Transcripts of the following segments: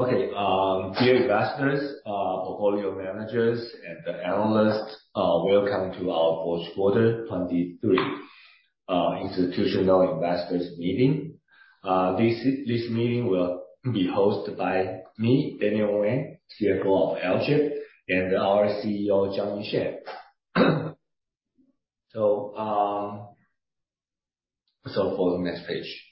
Okay, dear investors, portfolio managers, and the analysts, welcome to our fourth quarter 2023 institutional investors meeting. This meeting will be hosted by me, Daniel Wang, CFO of Alchip, and our CEO, Johnny Shen. So for the next page.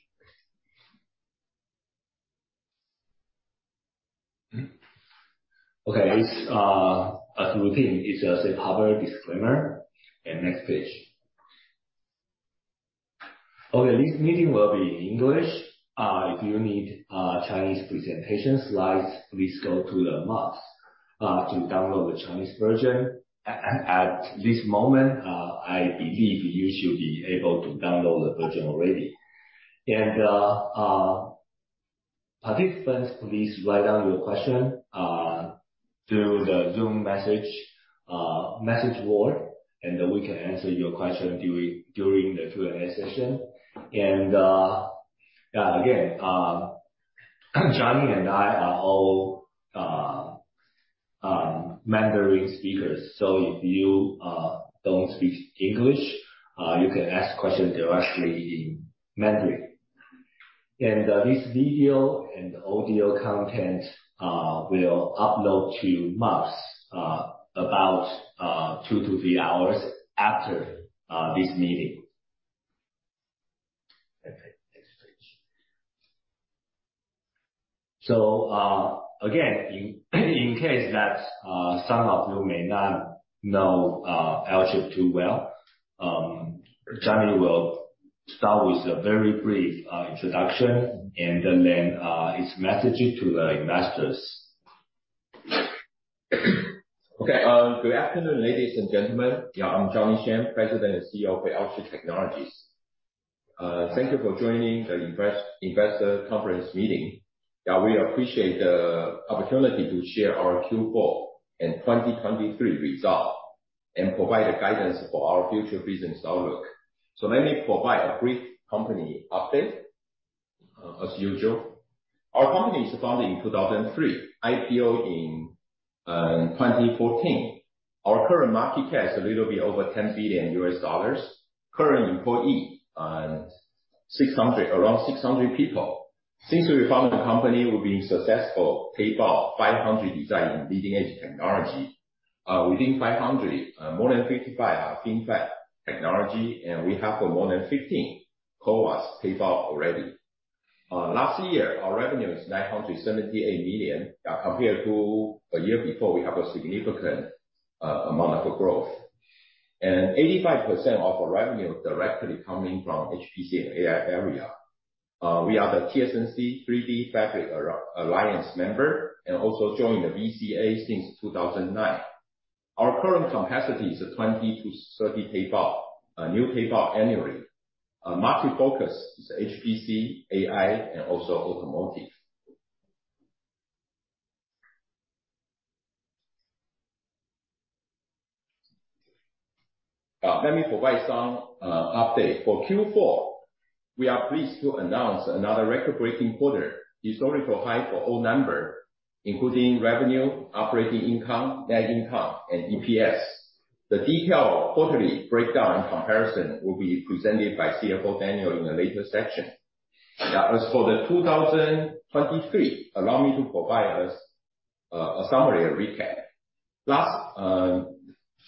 Okay, this, as routine, is just a public disclaimer. Next page. Okay, this meeting will be in English. If you need Chinese presentation slides, please go to the MOPS to download the Chinese version. At this moment, I believe you should be able to download the version already. Participants, please write down your question through the Zoom message message board, and then we can answer your question during the Q&A session. Again, Johnny and I are all Mandarin speakers, so if you don't speak English, you can ask questions directly in Mandarin. This video and audio content will upload to MOPS about 2-3 hours after this meeting. Okay, next page. Again, in case that some of you may not know Alchip too well, Johnny will start with a very brief introduction and then his message to the investors. Okay. Good afternoon, ladies and gentlemen. Yeah, I'm Johnny Shen, President and CEO of Alchip Technologies. Thank you for joining the investor conference meeting. Yeah, we appreciate the opportunity to share our Q4 and 2023 results, and provide a guidance for our future business outlook. So let me provide a brief company update, as usual. Our company was founded in 2003, IPO in 2014. Our current market cap is a little bit over $10 billion. Current employee around 600 people. Since we founded the company, we've been successful, tape-out 500 design in leading-edge technology. Within 500, more than 55 are FinFET technology, and we have more than 15 CoWoS tape-out already. Last year, our revenue was $978 million. Compared to a year before, we have a significant amount of growth. 85% of our revenue is directly coming from HPC and AI area. We are the TSMC 3DFabric Alliance member, and also joined the VCA since 2009. Our current capacity is 20-30 tape-out new tape-out annually. Our market focus is HPC, AI, and also automotive. Let me provide some update. For Q4, we are pleased to announce another record-breaking quarter, historical high for all numbers, including revenue, operating income, net income, and EPS. The detailed quarterly breakdown and comparison will be presented by CFO Daniel in a later section. Now, as for 2023, allow me to provide us a summary and recap.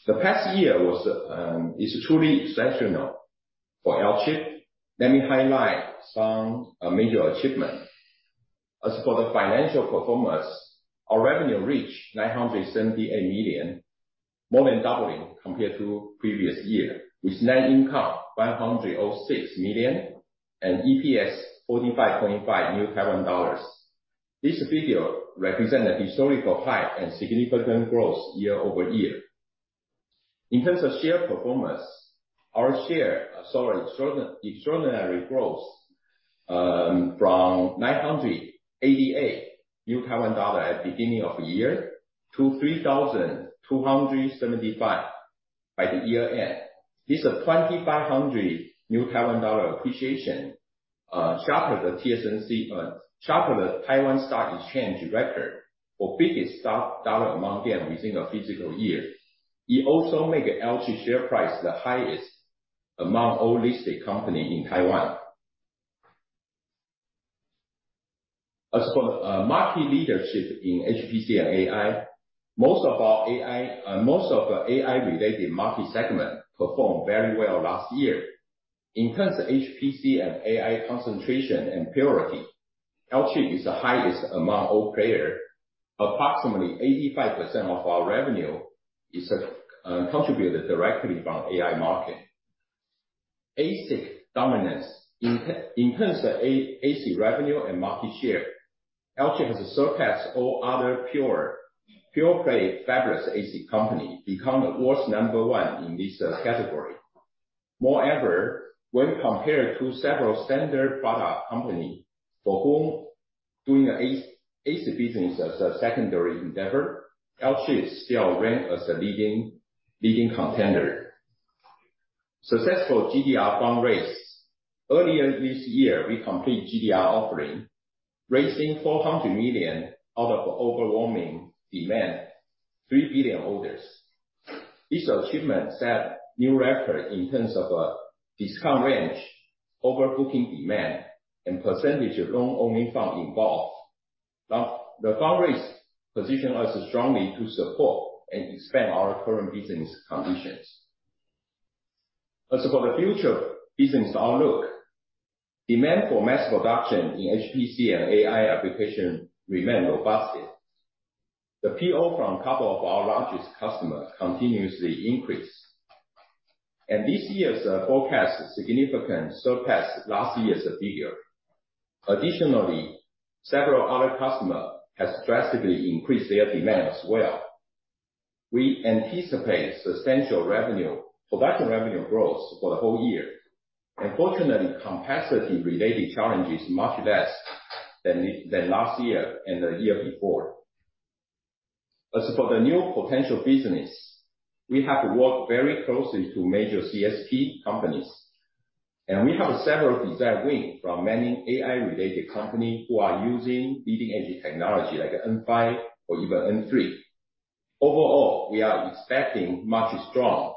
The past year is truly exceptional for Alchip. Let me highlight some major achievements. As for the financial performance, our revenue reached 978 million, more than doubling compared to previous year, with net income 106 million, and EPS 45.5 dollars. This figure represent a historical high and significant growth year-over-year. In terms of share performance, our share saw extraordinary, extraordinary growth, from 988 at the beginning of the year, to 3,275 by the year end. This is a 2,500 appreciation, sharper than TSMC, sharper than Taiwan Stock Exchange record for biggest stock dollar amount gain within a fiscal year. It also make Alchip share price the highest among all listed company in Taiwan. As for the market leadership in HPC and AI, most of our AI, most of the AI-related market segment performed very well last year. In terms of HPC and AI concentration and purity, Alchip is the highest among all players. Approximately 85% of our revenue is contributed directly from AI market. ASIC dominance, in terms of ASIC revenue and market share, Alchip has surpassed all other pure-play fabless ASIC company, become the world's number one in this category. Moreover, when compared to several standard product company, for whom doing the ASIC business as a secondary endeavor, Alchip still rank as a leading contender. Successful GDR fundraise. Earlier this year, we completed GDR offering, raising $400 million out of overwhelming demand, $3 billion orders. This achievement set new record in terms of discount range, overbooking demand, and percentage of long-only fund involved. Now, the fundraise position us strongly to support and expand our current business conditions. As for the future business outlook, demand for mass production in HPC and AI application remain robust. The PO from couple of our largest customer continuously increase, and this year's forecast significant surpass last year's figure. Additionally, several other customer has drastically increased their demand as well. We anticipate substantial revenue production revenue growth for the whole year. Fortunately, capacity-related challenge is much less than last year and the year before. As for the new potential business, we have worked very closely to major CSP companies, and we have several design wins from many AI-related company who are using leading-edge technology like N5 or even N3. Overall, we are expecting much strong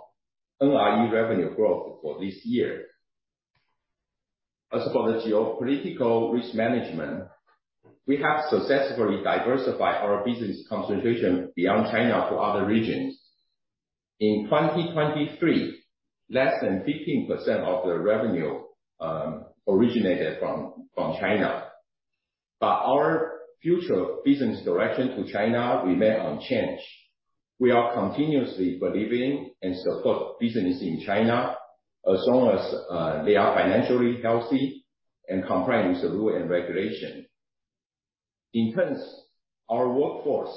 NRE revenue growth for this year. As for the geopolitical risk management, we have successfully diversified our business concentration beyond China to other regions. In 2023, less than 15% of the revenue originated from China. But our future business direction to China remain unchanged. We are continuously believing and support business in China as long as they are financially healthy and complying with the rule and regulation. In terms our workforce,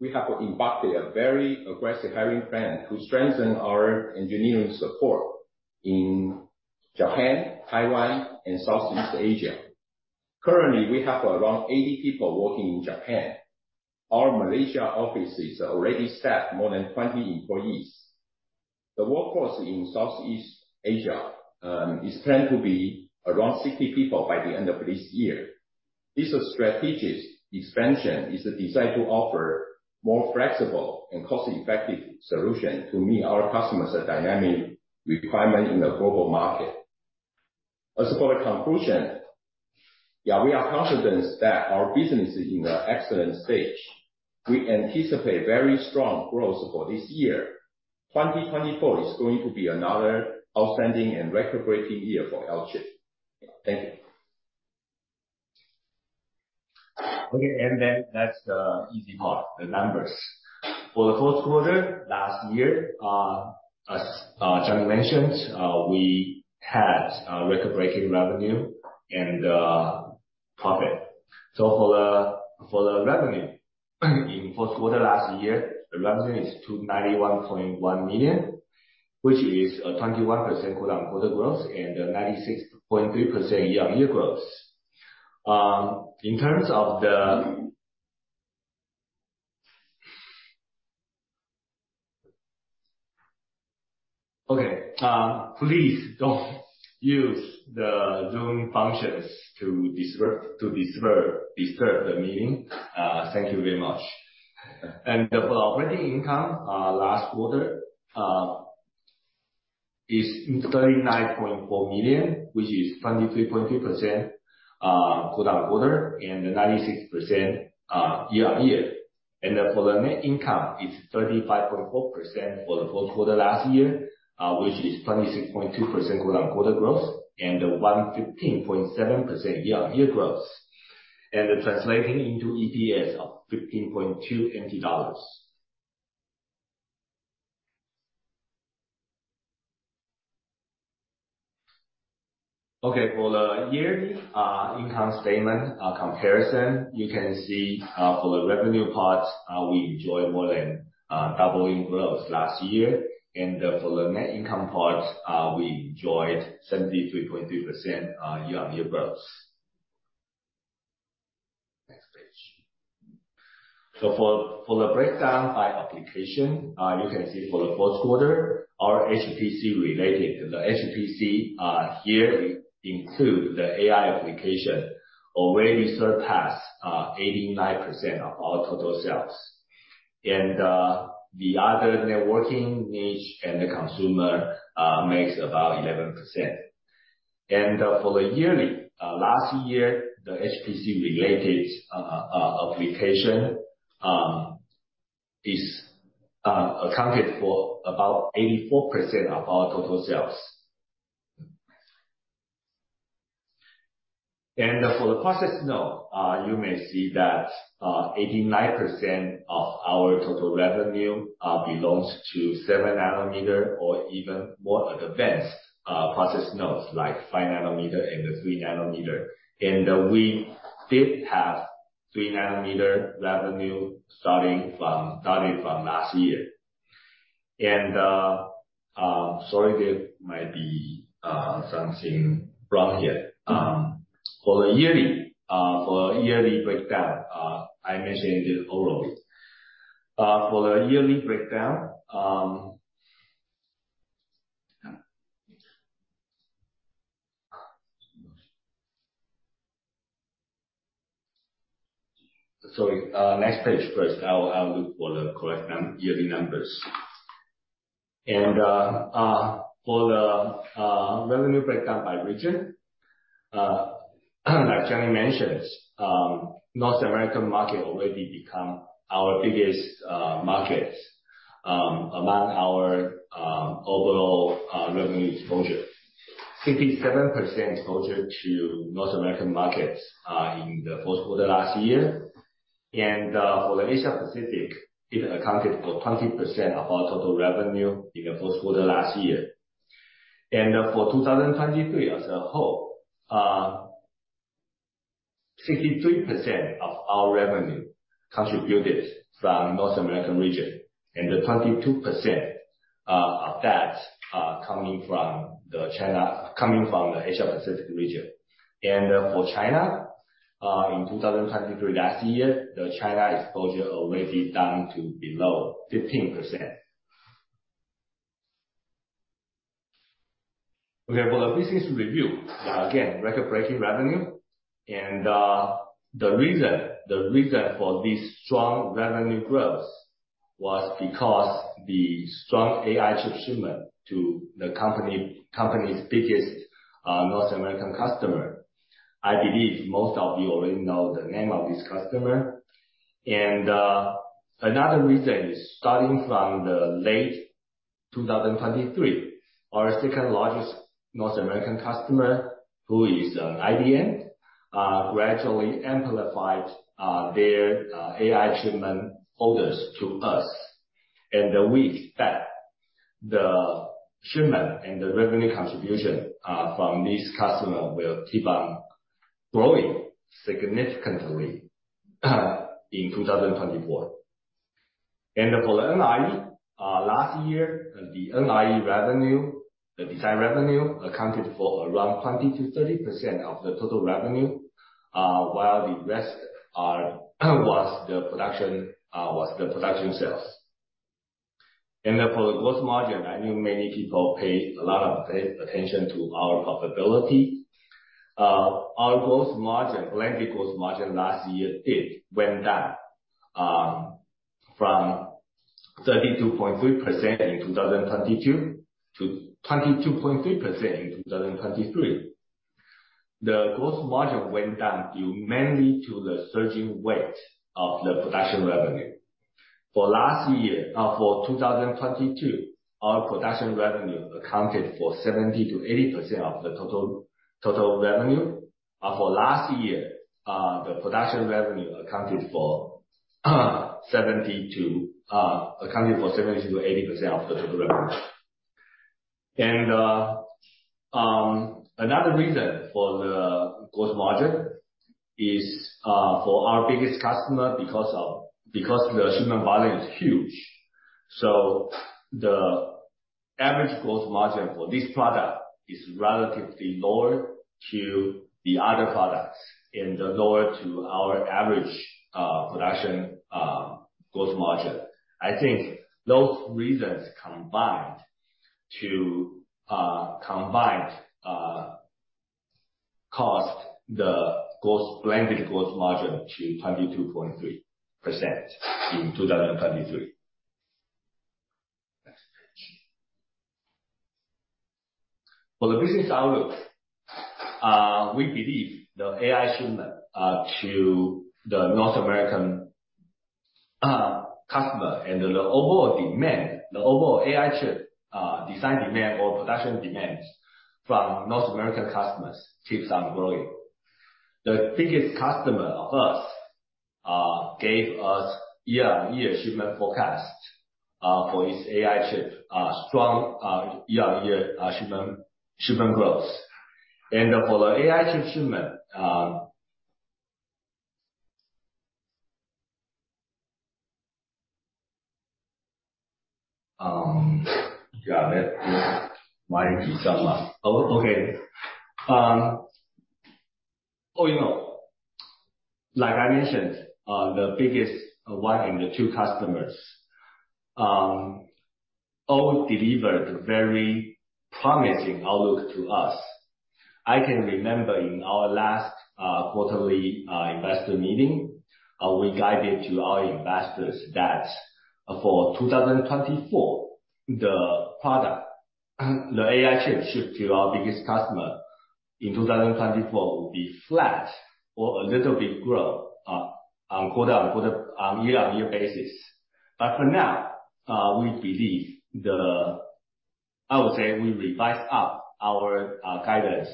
we have embarked a very aggressive hiring plan to strengthen our engineering support in Japan, Taiwan, and Southeast Asia. Currently, we have around 80 people working in Japan. Our Malaysia offices already staff more than 20 employees. The workforce in Southeast Asia is planned to be around 60 people by the end of this year. This strategic expansion is designed to offer more flexible and cost-effective solution to meet our customers' dynamic requirement in the global market. As for the conclusion, yeah, we are confident that our business is in an excellent stage. We anticipate very strong growth for this year. 2024 is going to be another outstanding and record-breaking year for Alchip. Thank you. Okay, and then that's the easy part, the numbers. For the fourth quarter last year, as Johnny mentioned, we had a record-breaking revenue and profit. So for the revenue, in fourth quarter last year, the revenue is 291.1 million, which is a 21% quarter-over-quarter growth and a 96.3% year-over-year growth. In terms of the... Okay, please don't use the Zoom functions to disrupt, to disturb the meeting. Thank you very much. For operating income last quarter is $39.4 million, which is 23.3% quarter-over-quarter, and 96% year-over-year. For the net income is 35.4% for the fourth quarter last year, which is 26.2% quarter-over-quarter growth and 115.7% year-over-year growth, and then translating into EPS of $15.2. Okay, for the yearly income statement comparison, you can see for the revenue part we enjoyed more than doubling growth last year. For the net income part we enjoyed 73.3% year-over-year growth. Next page. So for the breakdown by application, you can see for the fourth quarter, our HPC related, the HPC here include the AI application, already surpassed 89% of our total sales. And the other networking niche and the consumer makes about 11%. And for the yearly, last year, the HPC related application is accounted for about 84% of our total sales. And for the process node, you may see that 89% of our total revenue belongs to 7 nanometer or even more advanced process nodes, like 5 nanometer and the 3 nanometer. And we did have 3 nanometer revenue starting from last year. And sorry, there might be something wrong here. For the yearly, for yearly breakdown, I mentioned it already.... for the yearly breakdown, sorry, next page first. I'll look for the correct yearly numbers. And for the revenue breakdown by region, like Johnny mentioned, North American market already become our biggest market among our overall revenue exposure. 67% exposure to North American markets in the first quarter last year. And for the Asia Pacific, it accounted for 20% of our total revenue in the first quarter last year. And for 2023 as a whole, 63% of our revenue contributed from North American region, and the 22% of that coming from the Asia Pacific region. And for China in 2023 last year, the China exposure already down to below 15%. Okay, for the business review, again, record-breaking revenue. The reason, the reason for this strong revenue growth was because the strong AI chip shipment to the company's biggest North American customer. I believe most of you already know the name of this customer. Another reason, starting from the late 2023, our second largest North American customer, who is IDM, gradually amplified their AI shipment orders to us. We expect the shipment and the revenue contribution from this customer will keep on growing significantly in 2024. For the NRE, last year, the NRE revenue, the design revenue, accounted for around 20%-30% of the total revenue. While the rest was the production sales. For the gross margin, I know many people pay a lot of attention to our profitability. Our gross margin, blended gross margin last year did went down, from 32.3% in 2022 to 22.3% in 2023. The gross margin went down due mainly to the surging weight of the production revenue. For last year, for 2022, our production revenue accounted for 70%-80% of the total, total revenue. For last year, the production revenue accounted for 70%-80% of the total revenue. Another reason for the gross margin is, for our biggest customer, because of, because the shipment volume is huge. So the average gross margin for this product is relatively lower to the other products, and lower to our average production gross margin. I think those reasons combined to cost the gross blended gross margin to 22.3% in 2023. Next page. For the business outlook, we believe the AI shipment to the North American customer and the overall demand, the overall AI chip design demand or production demand from North American customers keeps on growing. The biggest customer of us gave us year-on-year shipment forecast for its AI chip strong year-on-year shipment growth. And for the AI chip shipment, yeah, let me sum up. Oh, okay. Oh, you know, like I mentioned, the biggest one and the two customers all delivered very promising outlook to us. I can remember in our last quarterly investor meeting, we guided to our investors that for 2024, the product, the AI chip shipped to our biggest customer in 2024, will be flat or a little bit growth on quarter-on-quarter year-on-year basis. But for now, we believe I would say, we revised up our guidance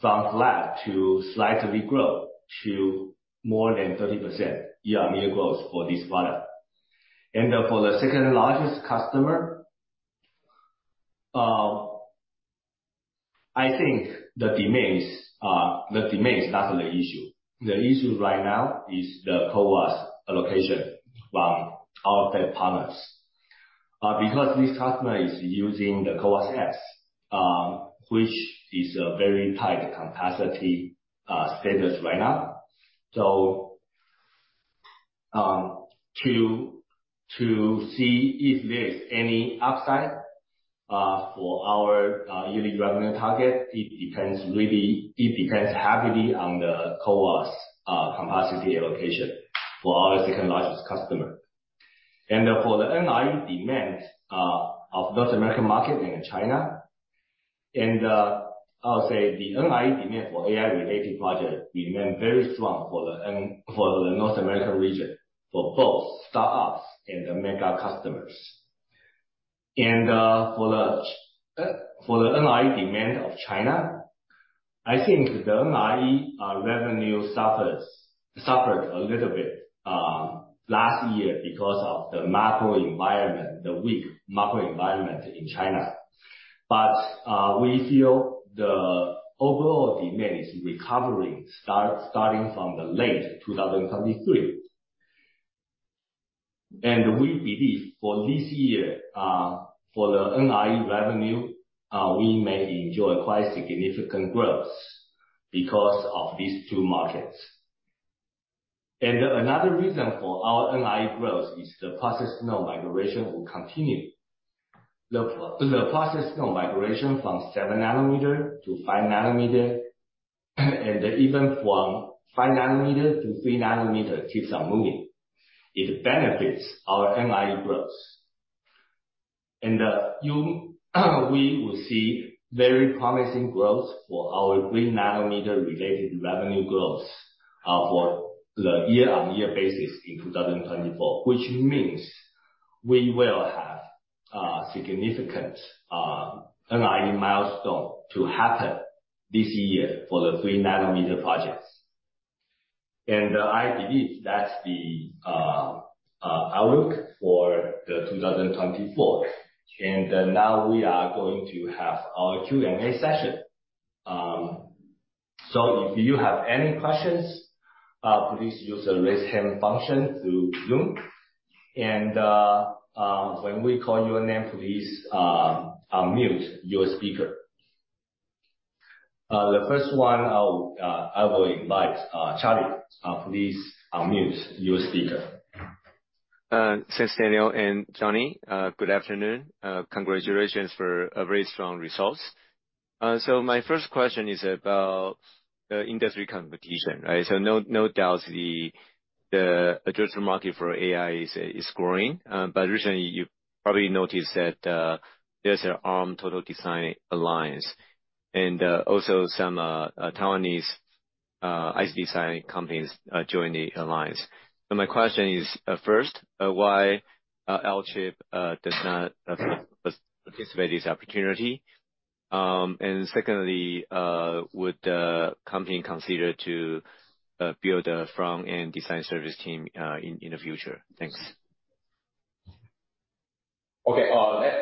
from flat to slightly growth, to more than 30% year-on-year growth for this product. And, for the second largest customer, I think the demands, the demand is not the issue. The issue right now is the CoWoS allocation from our tech partners.... Because this customer is using the CoWoS-S, which is a very tight capacity status right now. So, to see if there is any upside for our yearly revenue target, it depends really, it depends heavily on the CoWoS capacity allocation for our second largest customer. And, for the NRE demand of North American market and China, and, I'll say the NRE demand for AI-related budget remain very strong for the North American region, for both startups and the mega customers. And, for the NRE demand of China, I think the NRE revenue suffered a little bit last year because of the macro environment, the weak macro environment in China. But, we feel the overall demand is recovering starting from the late 2023. We believe for this year, for the NRE revenue, we may enjoy quite significant growth because of these two markets. Another reason for our NRE growth is the process node migration will continue. The process node migration from 7 nanometer to 5 nanometer, and even from 5 nanometer to 3 nanometer, keeps on moving. It benefits our NRE growth. And we will see very promising growth for our 3 nanometer-related revenue growth, for the year-on-year basis in 2024. Which means we will have significant NRE milestone to happen this year for the 3 nanometer projects. And I believe that's the outlook for the 2024. And now we are going to have our Q&A session. So if you have any questions, please use the Raise Hand function through Zoom. When we call your name, please unmute your speaker. The first one, I will invite Charlie, please unmute your speaker. Thanks, Daniel and Johnny. Good afternoon. Congratulations for a very strong results. So my first question is about the industry competition, right? So no doubt the addressable market for AI is growing, but recently you probably noticed that there's an Arm Total Design alliance, and also some Taiwanese IC design companies joined the alliance. So my question is, first, why Alchip does not participate this opportunity? And secondly, would the company consider to build a front-end design service team in the future? Thanks. Okay,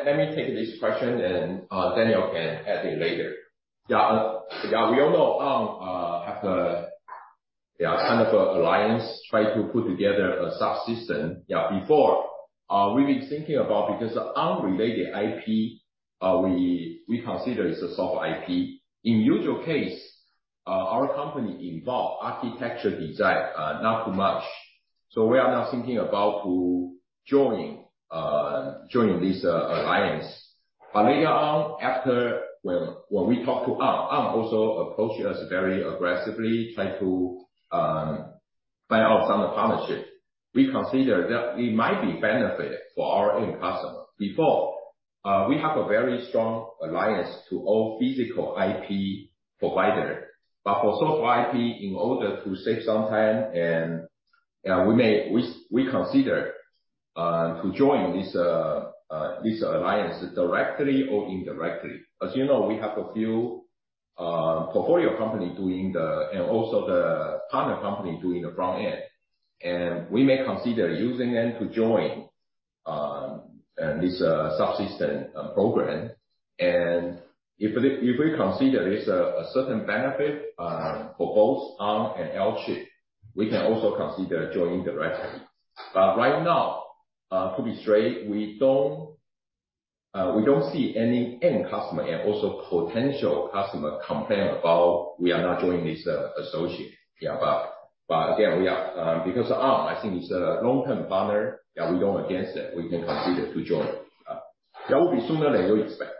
let me take this question, and Daniel can add in later. We all know Arm have the kind of alliance try to put together a subsystem. Before, we've been thinking about, because Arm-related IP, we consider is a soft IP. In usual case, our company involve architecture design, not too much. So we are not thinking about to join this alliance. But later on, after when we talked to Arm, Arm also approached us very aggressively, tried to buy out some of the partnership. We consider that it might be benefit for our end customer. Before, we have a very strong alliance to all physical IP provider. But for soft IP, in order to save some time and, we may—we consider to join this alliance directly or indirectly. As you know, we have a few portfolio company doing the, and also the partner company doing the front end, and we may consider using them to join this subsystem program. And if we consider there's a certain benefit for both Arm and Alchip, we can also consider joining directly. But right now, to be straight, we don't see any end customer and also potential customer complain about we are not joining this alliance. Yeah, but again, we are... Because Arm, I think, is a long-term partner that we don't against it, we can consider to join. That will be sooner than you expect.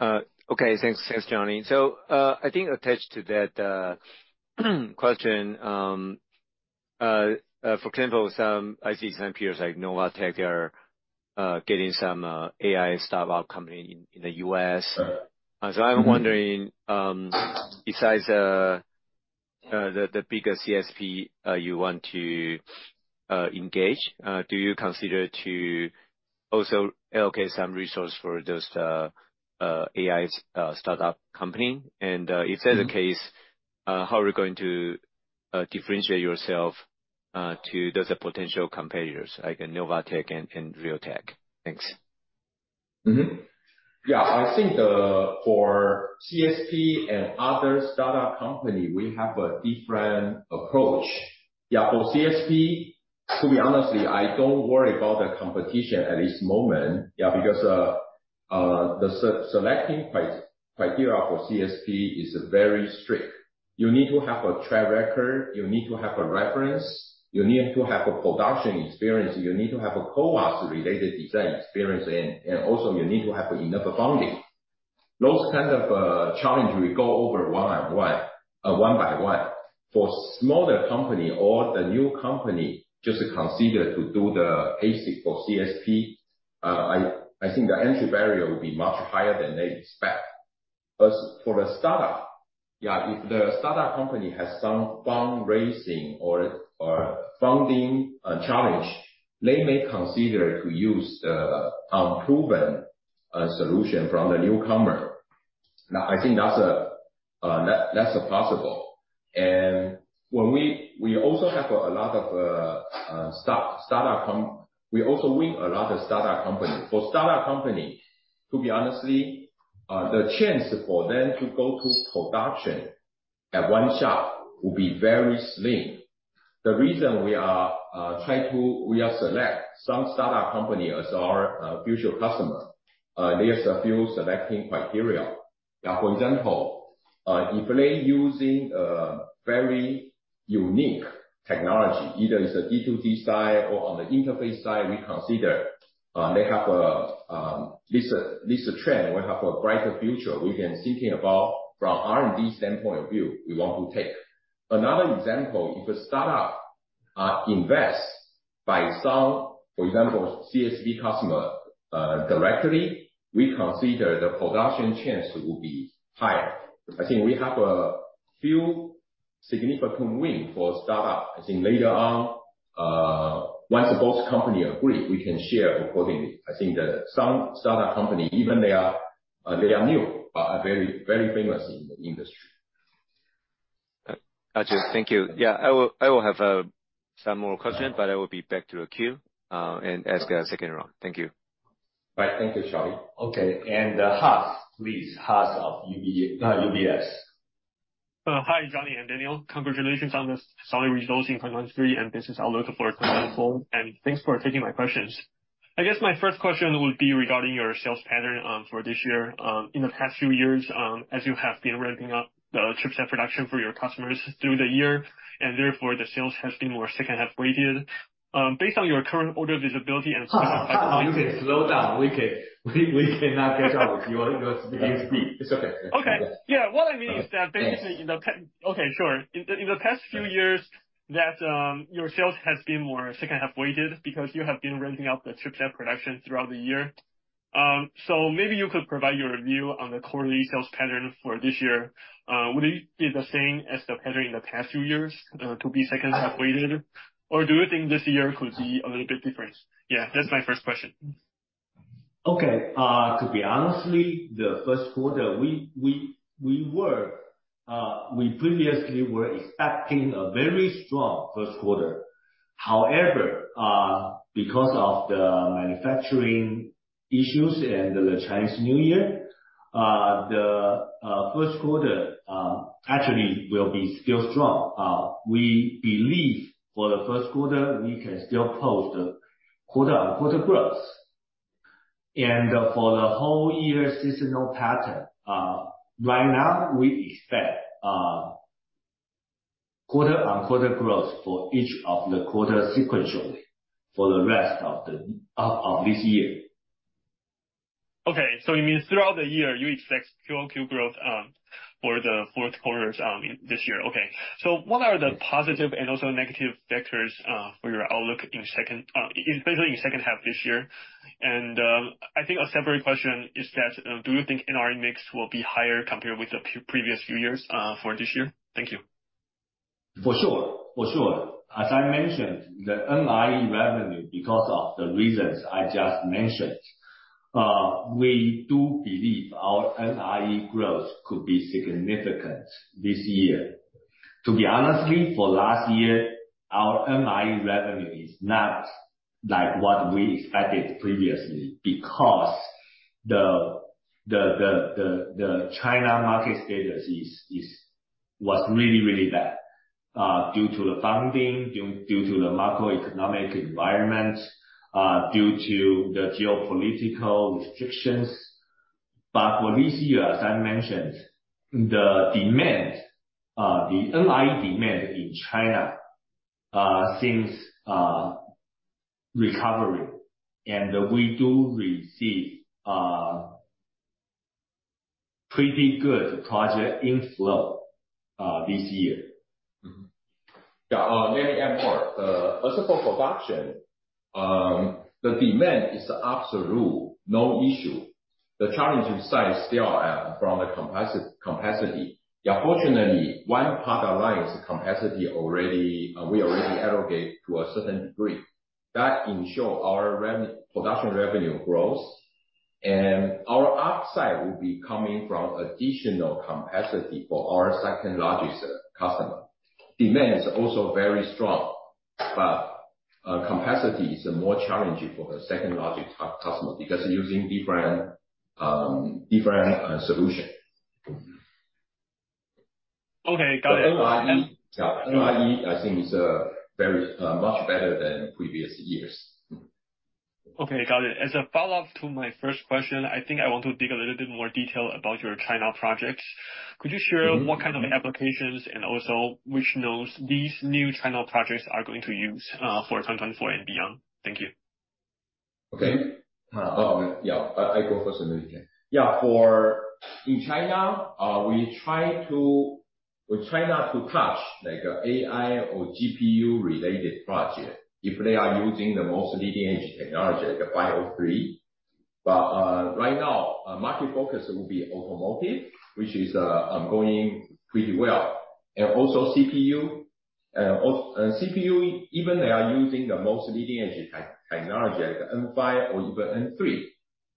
Okay, thanks. Thanks, Johnny. So, I think attached to that question, for example, some IC design peers, like Novatek, are getting some AI startup company in the U.S..So I'm wondering, besides the bigger CSP you want to engage, do you consider to also allocate some resource for those AI startup company? And, if that's the case, how are you going to differentiate yourself to those potential competitors, like Novatek and Realtek? Thanks.... Mm-hmm. Yeah, I think, for CSP and other startup company, we have a different approach. Yeah, for CSP, to be honest, I don't worry about the competition at this moment. Yeah, because the selecting criteria for CSP is very strict. You need to have a track record, you need to have a reference, you need to have a production experience, you need to have a CoWoS-related design experience, and also you need to have enough funding. Those kind of challenge we go over one by one, one by one. For smaller company or the new company just consider to do the ASIC for CSP, I think the entry barrier will be much higher than they expect. As for a startup, yeah, if the startup company has some fundraising or funding challenge, they may consider to use the unproven solution from the newcomer. Now, I think that's possible. We also win a lot of startup company. For startup company, to be honestly, the chance for them to go to production at one shot will be very slim. The reason we are trying to select some startup company as our future customer, there's a few selecting criteria. Yeah, for example, if they're using a very unique technology, either it's a D2D side or on the interface side, we consider they have a trend, we have a brighter future. We can thinking about from R&D standpoint of view, we want to take. Another example, if a startup invests by some, for example, CSP customer, directly, we consider the production chance will be higher. I think we have a few significant win for startup. I think later on, once both company agree, we can share accordingly. I think that some startup company, even they are, they are new, but are very, very famous in the industry. Got you. Thank you. Yeah, I will, I will have some more question, but I will be back to the queue and ask a second round. Thank you. Right. Thank you, Charlie. Okay, Haas, please. Haas of UBS. Hi, Johnny and Daniel. Congratulations on the solid results in quarter three, and this is outlook for quarter four, and thanks for taking my questions. I guess my first question would be regarding your sales pattern for this year. In the past few years, as you have been ramping up the chipset production for your customers through the year, and therefore, the sales has been more second half weighted. Based on your current order visibility and- Haas, you can slow down. We cannot catch up with your speed. It's okay. Okay. Yeah, what I mean is that basically in the past few years, that your sales has been more second half weighted because you have been ramping up the chipset production throughout the year. So maybe you could provide your view on the quarterly sales pattern for this year. Would it be the same as the pattern in the past few years, to be second half weighted? Or do you think this year could be a little bit different? Yeah, that's my first question. Okay. To be honest, the first quarter, we previously were expecting a very strong first quarter. However, because of the manufacturing issues and the Chinese New Year, the first quarter actually will be still strong. We believe for the first quarter, we can still post quarter-on-quarter growth. And, for the whole year seasonal pattern, right now, we expect quarter-on-quarter growth for each of the quarter sequentially for the rest of this year. Okay, so you mean throughout the year, you expect QOQ growth for the fourth quarters in this year. Okay. So what are the positive and also negative factors for your outlook in second, especially in second half this year? And, I think a separate question is that, do you think NRE mix will be higher compared with the previous few years for this year? Thank you. For sure, for sure. As I mentioned, the NRE revenue, because of the reasons I just mentioned, we do believe our NRE growth could be significant this year. To be honest, for last year, our NRE revenue was not like what we expected previously, because the China market status was really, really bad, due to the funding, due to the macroeconomic environment, due to the geopolitical restrictions. But for this year, as I mentioned, the demand, the NRE demand in China, seems recovery, and we do receive pretty good project inflow this year. Mm-hmm. Yeah, let me add more. As for production, the demand is absolutely no issue. The challenging side is still from the capacity. Yeah, fortunately, one partner lines capacity already, we already allocate to a certain degree. That ensure our production revenue grows, and our upside will be coming from additional capacity for our second largest customer. Demand is also very strong.... but, capacity is more challenging for the second logic customer, because using different, different solution. Okay, got it. Yeah, NRE, I think is very much better than previous years. Mm-hmm. Okay, got it. As a follow-up to my first question, I think I want to dig a little bit more detail about your China projects. Could you share- Mm-hmm. What kind of applications and also which nodes these new China projects are going to use for 2024 and beyond? Thank you. Okay. Yeah, I go first and then you can. Yeah, for in China, we try to—we try not to touch, like, AI or GPU-related project if they are using the most leading-edge technology, like the 503. But right now, market focus will be automotive, which is going pretty well, and also CPU. Oh, CPU, even they are using the most leading-edge technology, like the N5 or even N3,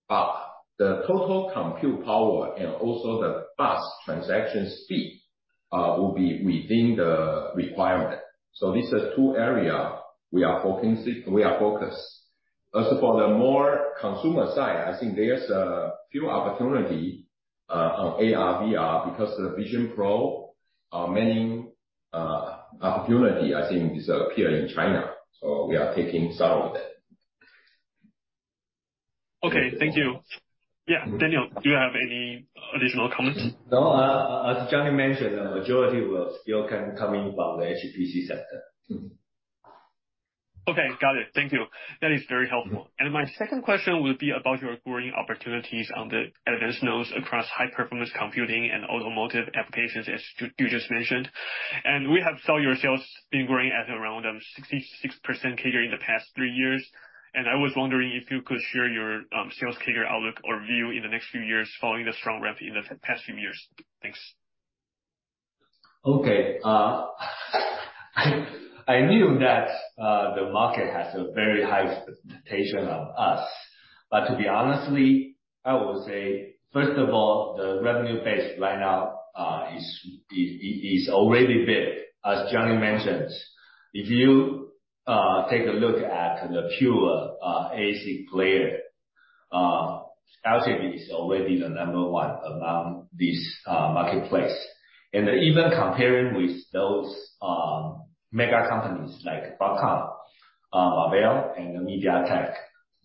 but the total compute power and also the bus transaction speed will be within the requirement. So these are two area we are focusing, we are focused. As for the more consumer side, I think there's a few opportunity on AR/VR, because the Vision Pro, many opportunity I think is appear in China, so we are taking some of that. Okay, thank you. Yeah, Daniel, do you have any additional comments? No, as Johnny Shen mentioned, the majority will still can coming from the HPC sector. Mm-hmm. Okay, got it. Thank you. That is very helpful. Mm-hmm. My second question will be about your growing opportunities on the advanced nodes across high-performance computing and automotive applications, as you just mentioned. We have saw your sales been growing at around 66% CAGR in the past three years, and I was wondering if you could share your sales CAGR outlook or view in the next few years following the strong ramp in the past few years. Thanks. Okay, I knew that the market has a very high expectation of us, but to be honestly, I would say, first of all, the revenue base right now is already big. As Johnny mentioned, if you take a look at the pure ASIC player, Alchip is already the number one among this marketplace. And even comparing with those mega companies like Broadcom, Marvell and MediaTek,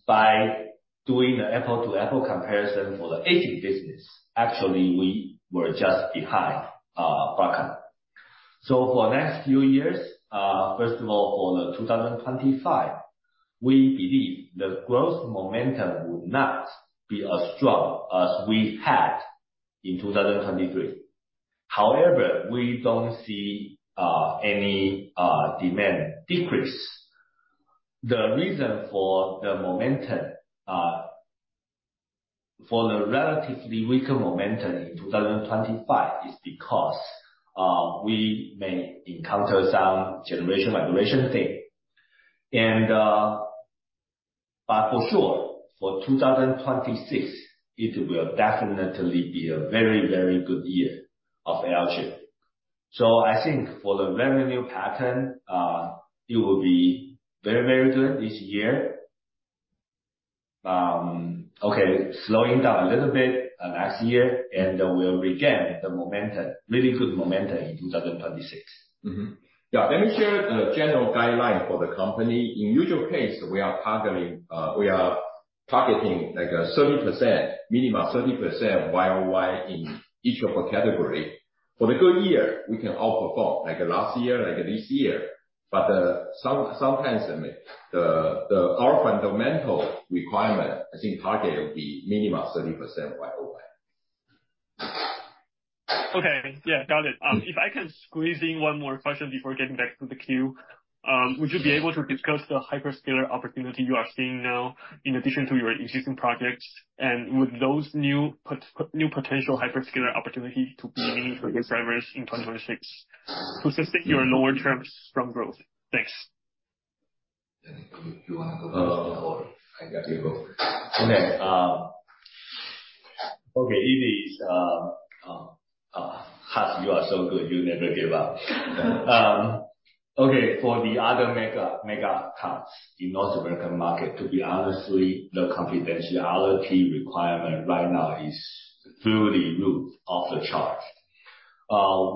by doing the apple-to-apple comparison for the ASIC business, actually, we were just behind Broadcom. So for next few years, first of all, for 2025, we believe the growth momentum will not be as strong as we've had in 2023. However, we don't see any demand decrease. The reason for the momentum, for the relatively weaker momentum in 2025, is because we may encounter some generation migration thing. But for sure, for 2026, it will definitely be a very, very good year of Alchip. So I think for the revenue pattern, it will be very, very good this year, slowing down a little bit next year, and then we'll regain the momentum, really good momentum in 2026. Mm-hmm. Yeah, let me share the general guideline for the company. In usual case, we are targeting, we are targeting like a 30%, minimum 30% YOY in each of the category. For the good year, we can overperform, like last year, like this year, but, sometimes, I mean, our fundamental requirement, I think target will be minimum 30% YOY. Okay. Yeah, got it. Mm-hmm. If I can squeeze in one more question before getting back to the queue. Would you be able to discuss the hyperscaler opportunity you are seeing now, in addition to your existing projects, and would those new potential hyperscaler opportunity be meaningful for your revenues in 2026, to sustain your lower terms from growth? Thanks. You wanna go first, or I got you go. Okay, okay, it is, Haas, you are so good, you never give up. Okay, for the other mega, mega accounts in North American market, to be honestly, the confidentiality requirement right now is through the roof, off the charts.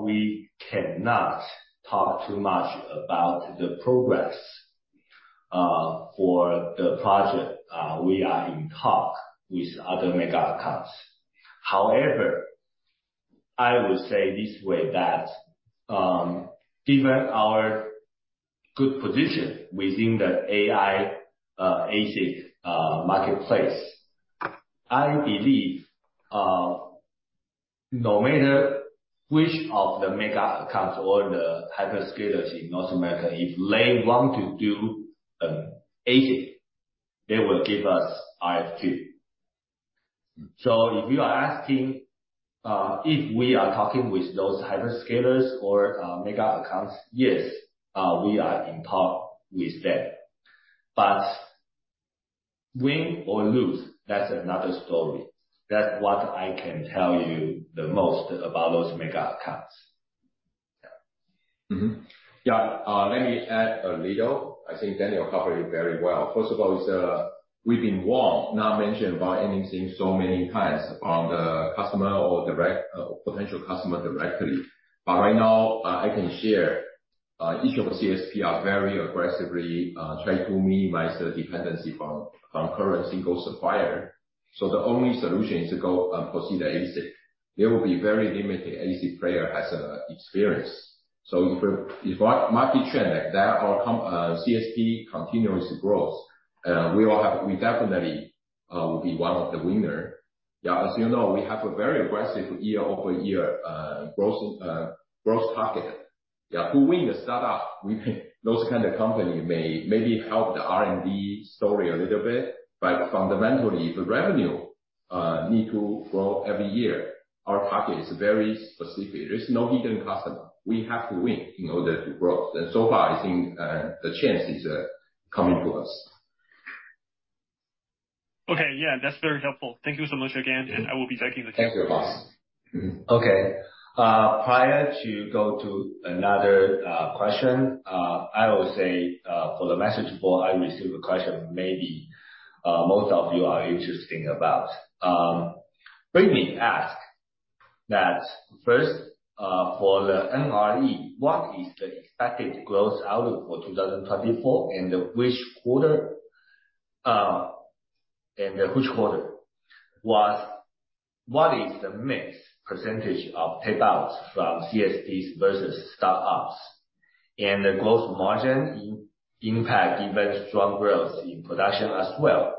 We cannot talk too much about the progress for the project. We are in talk with other mega accounts. However, I will say this way, that, given our good position within the AI, ASIC, marketplace, I believe, no matter which of the mega accounts or the hyperscalers in North America, if they want to do an ASIC, they will give us RFQ. So if you are asking, if we are talking with those hyperscalers or, mega accounts, yes, we are in talk with them. But-... win or lose, that's another story. That's what I can tell you the most about those mega accounts. Yeah. Yeah, let me add a little. I think Daniel covered it very well. First of all, it's we've been warned, not mentioned by anything so many times on the customer or direct potential customer directly. But right now, I can share each of the CSP are very aggressively trying to minimize the dependency from current single supplier. So the only solution is to go and proceed ASIC. There will be very limited ASIC player has experience. So if market trend like that or CSP continuous growth, we will have. We definitely will be one of the winner. Yeah, as you know, we have a very aggressive year-over-year growth target. Yeah, to win the startup, we may, those kind of company may maybe help the R&D story a little bit. But fundamentally, the revenue need to grow every year. Our target is very specific. There is no hidden customer. We have to win in order to grow. And so far, I think, the chance is coming to us. Okay. Yeah, that's very helpful. Thank you so much again, and I will be taking the- Thank you, boss. Mm-hmm. Okay. Prior to go to another question, I will say, for the message board, I received a question maybe most of you are interesting about. Brittany asked that first, for the NRE, what is the expected growth outlook for 2024, and which quarter, what is the mix percentage of tape-outs from CSPs versus startups? And the gross margin impact, even strong growth in production as well.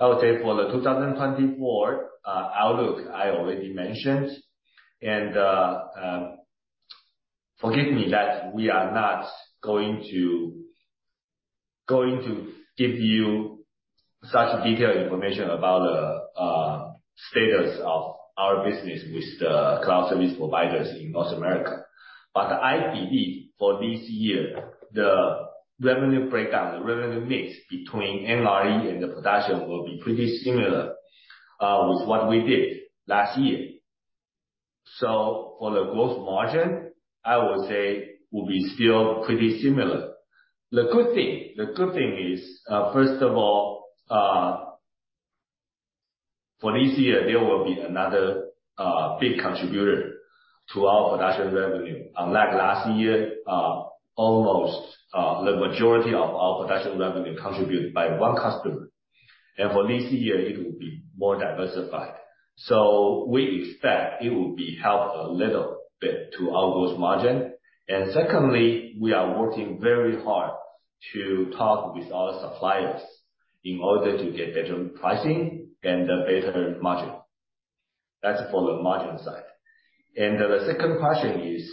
I would say for the 2024 outlook, I already mentioned. And forgive me that we are not going to give you such detailed information about the status of our business with the cloud service providers in North America. But I believe for this year, the revenue breakdown, the revenue mix between NRE and the production will be pretty similar, with what we did last year. So for the growth margin, I would say will be still pretty similar. The good thing, the good thing is, first of all, for this year, there will be another, big contributor to our production revenue. Unlike last year, almost, the majority of our production revenue contributed by one customer. And for this year, it will be more diversified. So we expect it will be helped a little bit to our growth margin. And secondly, we are working very hard to talk with our suppliers in order to get better pricing and a better margin. That's for the margin side. The second question is,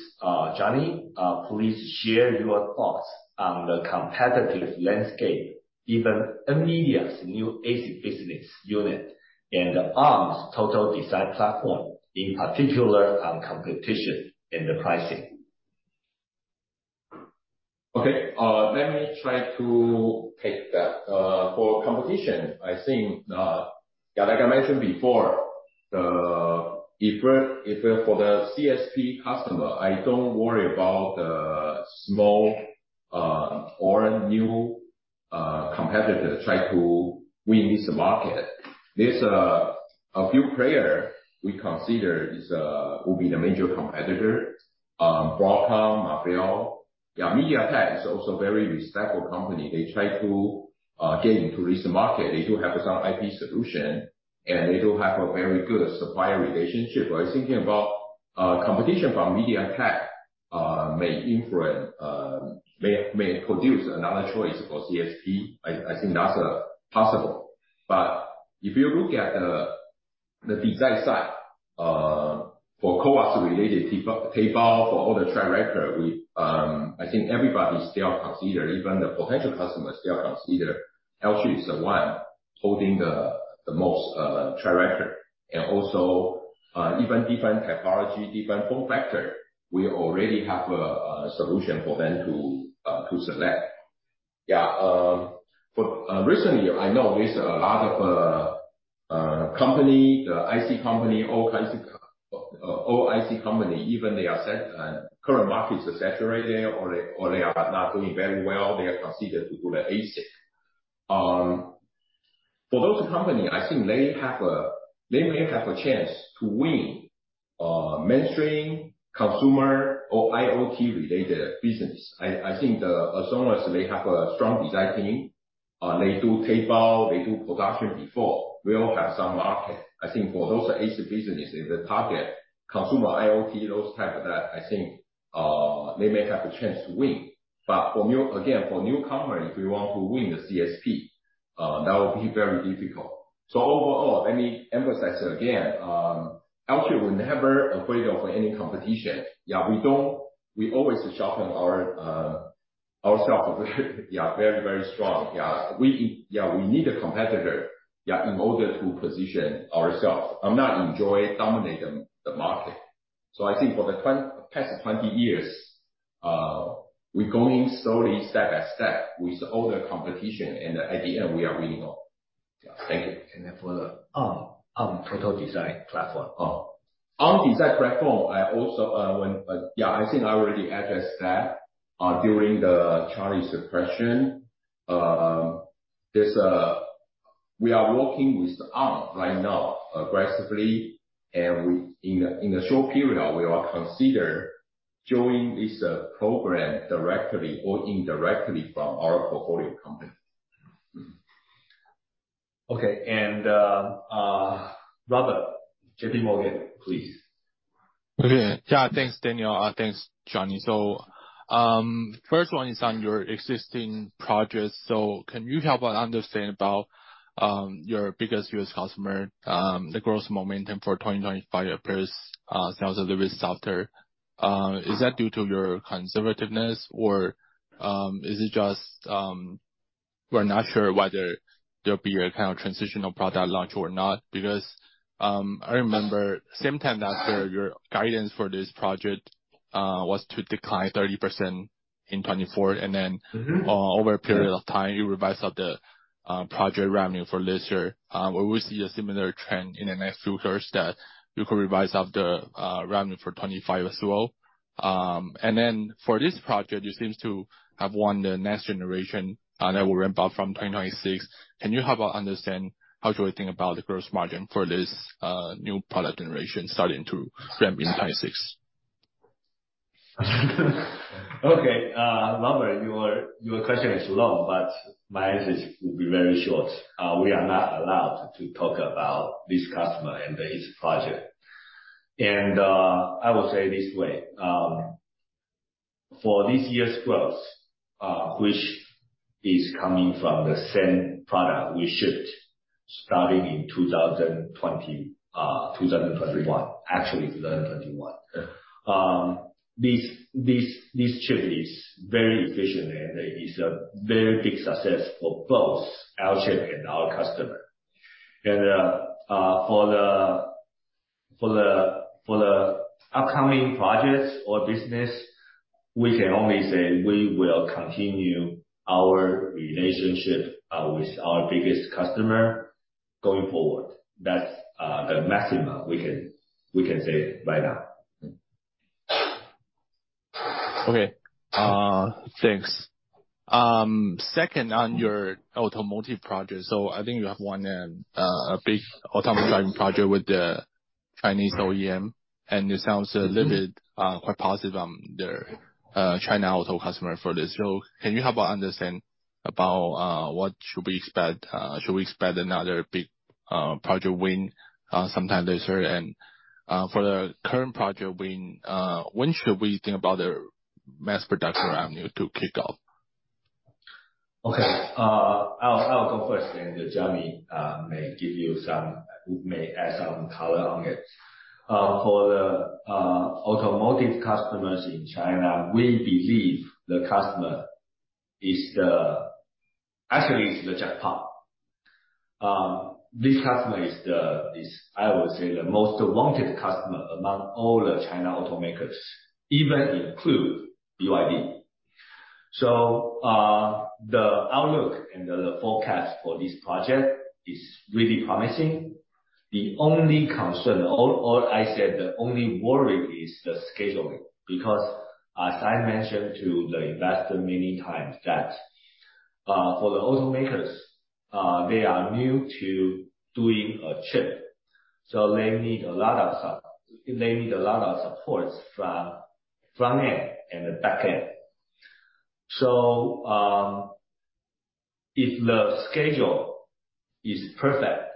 Johnny, please share your thoughts on the competitive landscape, given NVIDIA's new AC business unit and ARM's Total Design platform, in particular on competition and the pricing. Okay, let me try to take that. For competition, I think, yeah, like I mentioned before, if for the CSP customer, I don't worry about the small or new competitor try to win this market. There's a few players we consider will be the major competitor. Broadcom, Marvell, yeah, MediaTek is also a very respectable company. They try to get into this market. They do have some IP solution, and they do have a very good supplier relationship. But I thinking about competition from MediaTek may influence, may produce another choice for CSP. I think that's possible. But if you look at the design side, for CoWoS related tape-out, for all the track record, we, I think everybody still consider, even the potential customers still consider, Alchip is the one holding the most track record. And also, even different technology, different form factor, we already have a solution for them to select. Yeah, for recently, I know there's a lot of company, the IC company, all kinds of all IC company, even they are set, current market is saturated or they are not doing very well, they are considered to do the ASIC. For those company, I think they have a-- they may have a chance to win mainstream consumer or IoT-related business. I think, as long as they have a strong design team, they do tape-out, they do production before, we all have some market. I think for those ASIC businesses, the target consumer IoT, those type of that, I think, they may have a chance to win. But for new—again, for newcomer, if you want to win the CSP, that will be very difficult. So overall, let me emphasize again, Alchip will never afraid of any competition. Yeah, we don't—we always sharpen our, ourselves, yeah, very, very strong. Yeah, we, yeah, we need a competitor, yeah, in order to position ourselves. I'm not enjoy dominating the market.... So I think for the past 20 years, we're going slowly, step by step, with all the competition, and at the end, we are winning all. Thank you. And then for the total design platform. Oh, on design platform, I also, yeah, I think I already addressed that during the Charlie's question. We are working with Arm right now, aggressively, and we, in the short period, we are consider joining this program directly or indirectly from our portfolio company. Mm. Okay, and Robert, J.P. Morgan, please. Okay. Yeah, thanks, Daniel. Thanks, Johnny. So, first one is on your existing projects. So can you help us understand about your biggest U.S. customer, the growth momentum for 2025 appears, sounds a little bit softer. Is that due to your conservativeness or is it just we're not sure whether there'll be a kind of transitional product launch or not? Because, I remember same time last year, your guidance for this project was to decline 30% in '2024. And then- Mm-hmm. Over a period of time, you revised up the project revenue for this year. We will see a similar trend in the next few quarters that you could revise up the revenue for 2025 as well. And then for this project, you seems to have won the next generation, and that will ramp up from 2026. Can you help us understand how to think about the growth margin for this new product generation starting to ramp in 2026? Okay, Robert, your question is long, but my answer will be very short. We are not allowed to talk about this customer and his project. I will say this way, for this year's growth, which is coming from the same product we shipped starting in 2020, 2021, actually 2021. This chip is very efficient, and it is a very big success for both our chip and our customer. For the upcoming projects or business, we can only say we will continue our relationship with our biggest customer going forward. That's the maximum we can say right now. Okay. Thanks. Second, on your automotive project, so I think you have won a big autonomous driving project with the Chinese OEM, and it sounds a little bit quite positive on the China auto customer for this. So can you help us understand about what should we expect, should we expect another big project win sometime this year? And, for the current project win, when should we think about the mass production revenue to kick off? Okay, I'll go first, then Johnny may add some color on it. For the automotive customers in China, we believe the customer is actually the jackpot. This customer is, I would say, the most wanted customer among all the China automakers, even include BYD. So, the outlook and the forecast for this project is really promising. The only concern, or I said, the only worry is the scheduling, because as I mentioned to the investor many times, that for the automakers, they are new to doing a chip, so they need a lot of supports from front end and the back end. So, if the schedule is perfect,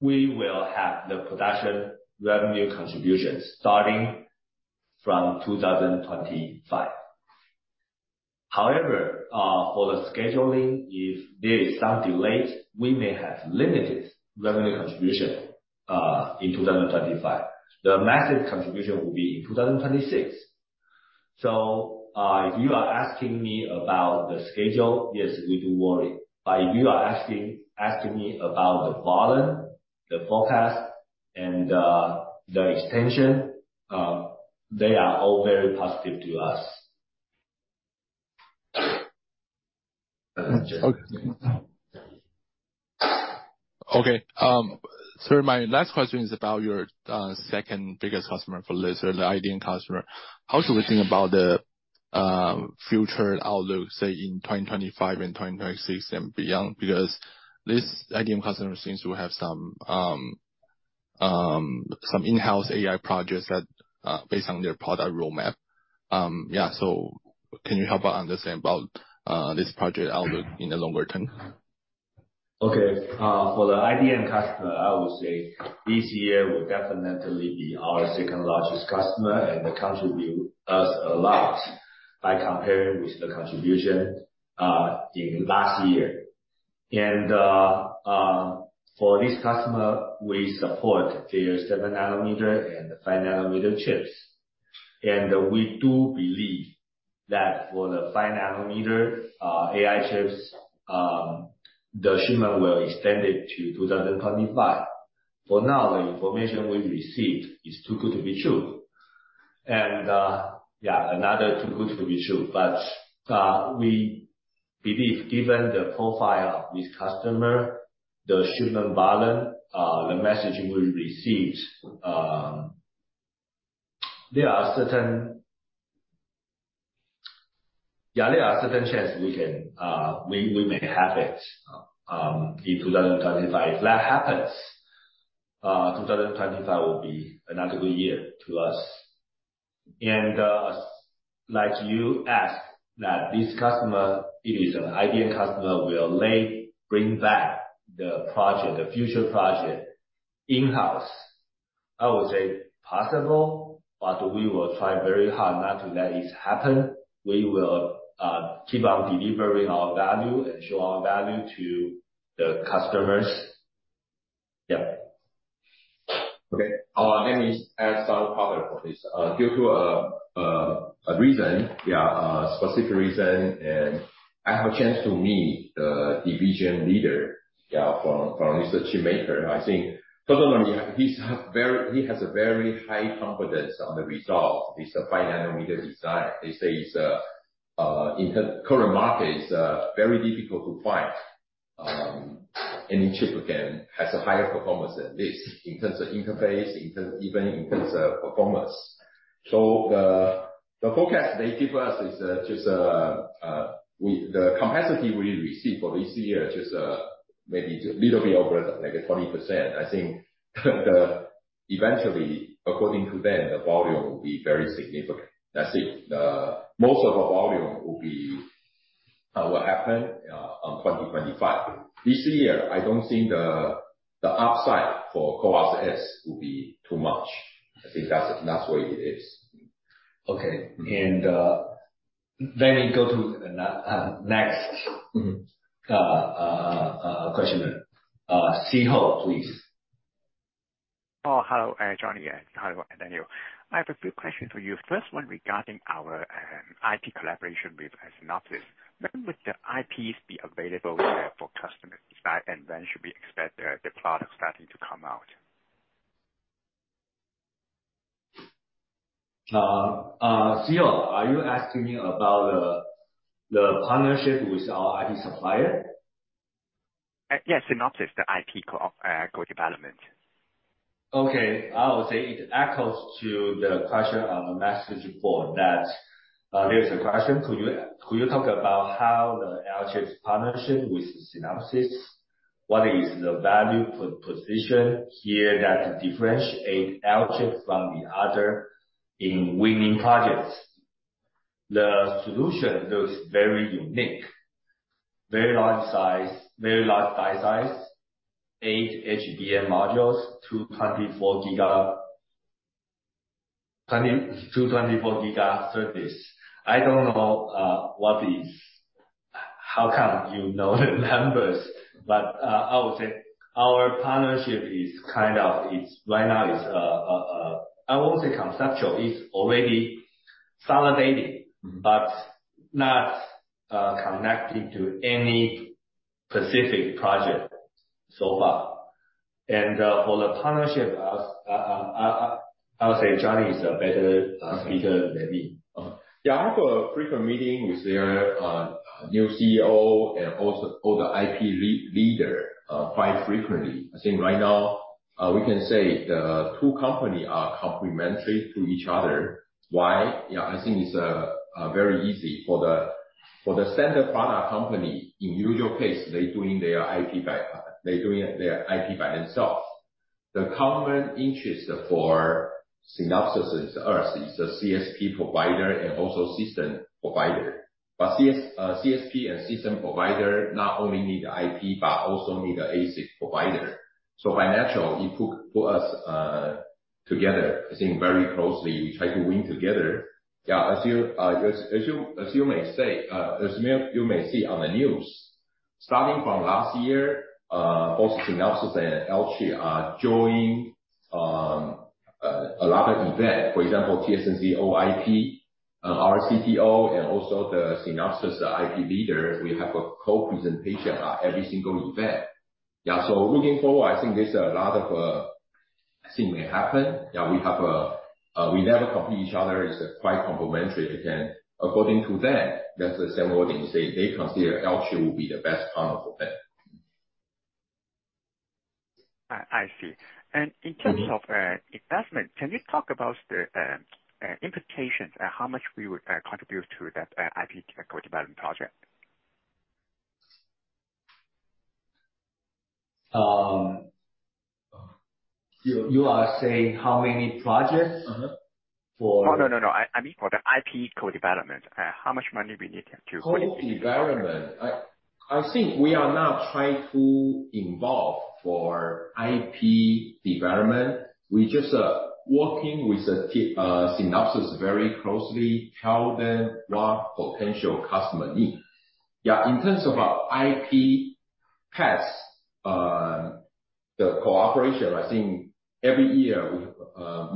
we will have the production revenue contribution starting from 2025. However, for the scheduling, if there is some delay, we may have limited revenue contribution in 2025. The massive contribution will be in 2026. So, if you are asking me about the schedule, yes, we do worry. But you are asking, asking me about the volume, the forecast, and the extension, they are all very positive to us. Okay. So my last question is about your second biggest customer for this year, the IDM customer. How should we think about the future outlook, say, in 2025 and 2026 and beyond? Because this IDM customer seems to have some some in-house AI projects that based on their product roadmap. Yeah, so can you help us understand about this project outlook in the longer term? Okay. For the IDM customer, I would say this year will definitely be our second largest customer, and they contribute us a lot by comparing with the contribution in last year. For this customer, we support their 7-nanometer and the 5-nanometer chips. We do believe that for the 5-nanometer AI chips, the shipment will extend it to 2025. For now, the information we've received is too good to be true. Yeah, another too good to be true. But we believe, given the profile of this customer, the shipment volume, the messaging we've received, there are certain, yeah, there are certain chance we can, we may have it in 2025. If that happens, 2025 will be another good year to us. Like you asked, that this customer, it is an ideal customer, will they bring back the project, the future project in-house? I would say possible, but we will try very hard not to let this happen. We will keep on delivering our value and show our value to the customers. Yeah. Okay. Let me add some color for this. Due to a reason, yeah, a specific reason, and I have a chance to meet the division leader from this chipmaker. I think, personally, he has a very high confidence on the result. It's a 5-nanometer design. They say it's in the current market, it's very difficult to find any chip again has a higher performance than this, in terms of interface, even in terms of performance. So the forecast they give us is just the capacity we receive for this year, just maybe little bit over, like 20%. I think eventually, according to them, the volume will be very significant. I think the most of the volume will be will happen on 2025. This year, I don't think the upside for CoWoS-S will be too much. I think that's the way it is. Okay. And let me go to the next questioner. Szeho, please. Oh, hello, Johnny. Hello, Daniel. I have a few questions for you. First one regarding our IP collaboration with Synopsys. When would the IPs be available for customers, and when should we expect the product starting to come out? Si Ho, are you asking me about the partnership with our IP supplier? Yes, Synopsys, the IP co, co-development. Okay. I would say it echoes to the question on the message board, that there is a question, could you talk about how the Alchip's partnership with Synopsys, what is the value proposition here that differentiate Alchip from the other in winning projects? The solution looks very unique, very large size, very large die size, eight HBM modules, two 24 giga, two 24 giga surface. I don't know what is, how come you know the numbers, but I would say our partnership is kind of, it's right now is, I won't say conceptual, it's already consolidated, but not connected to any specific project so far. And for the partnership, I would say Johnny is a better speaker than me. Yeah, I have a frequent meeting with their new CEO and also all the IP leader quite frequently. I think right now, we can say the two company are complementary to each other. Why? Yeah, I think it's very easy. For the standard product company, in usual case, they're doing their IP by themselves. The common interest for Synopsys is a CSP provider and also system provider. But CSP and system provider not only need IP, but also need a ASIC provider. So by natural, it put us together, I think, very closely. We try to win together. Yeah, as you may see on the news, starting from last year, both Synopsys and Alchip are join a lot of event. For example, TSMC OIP, our CPO and also the Synopsys IP leader, we have a co-presentation at every single event. Yeah, so looking forward, I think there's a lot of thing may happen. Yeah, we never compete each other. It's quite complementary. Again, according to them, that's the same word they say, they consider Alchip will be the best partner for them. I see. And in terms of investment, can you talk about the implications and how much we would contribute to that IP co-development project? You are saying how many projects? Mm-hmm. For- Oh, no, no, no. I mean for the IP co-development, how much money we need to- Co-development? I think we are not trying to involve for IP development. We're just working with the Synopsys very closely, tell them what potential customer need. Yeah, in terms of our IP has the cooperation. I think every year, we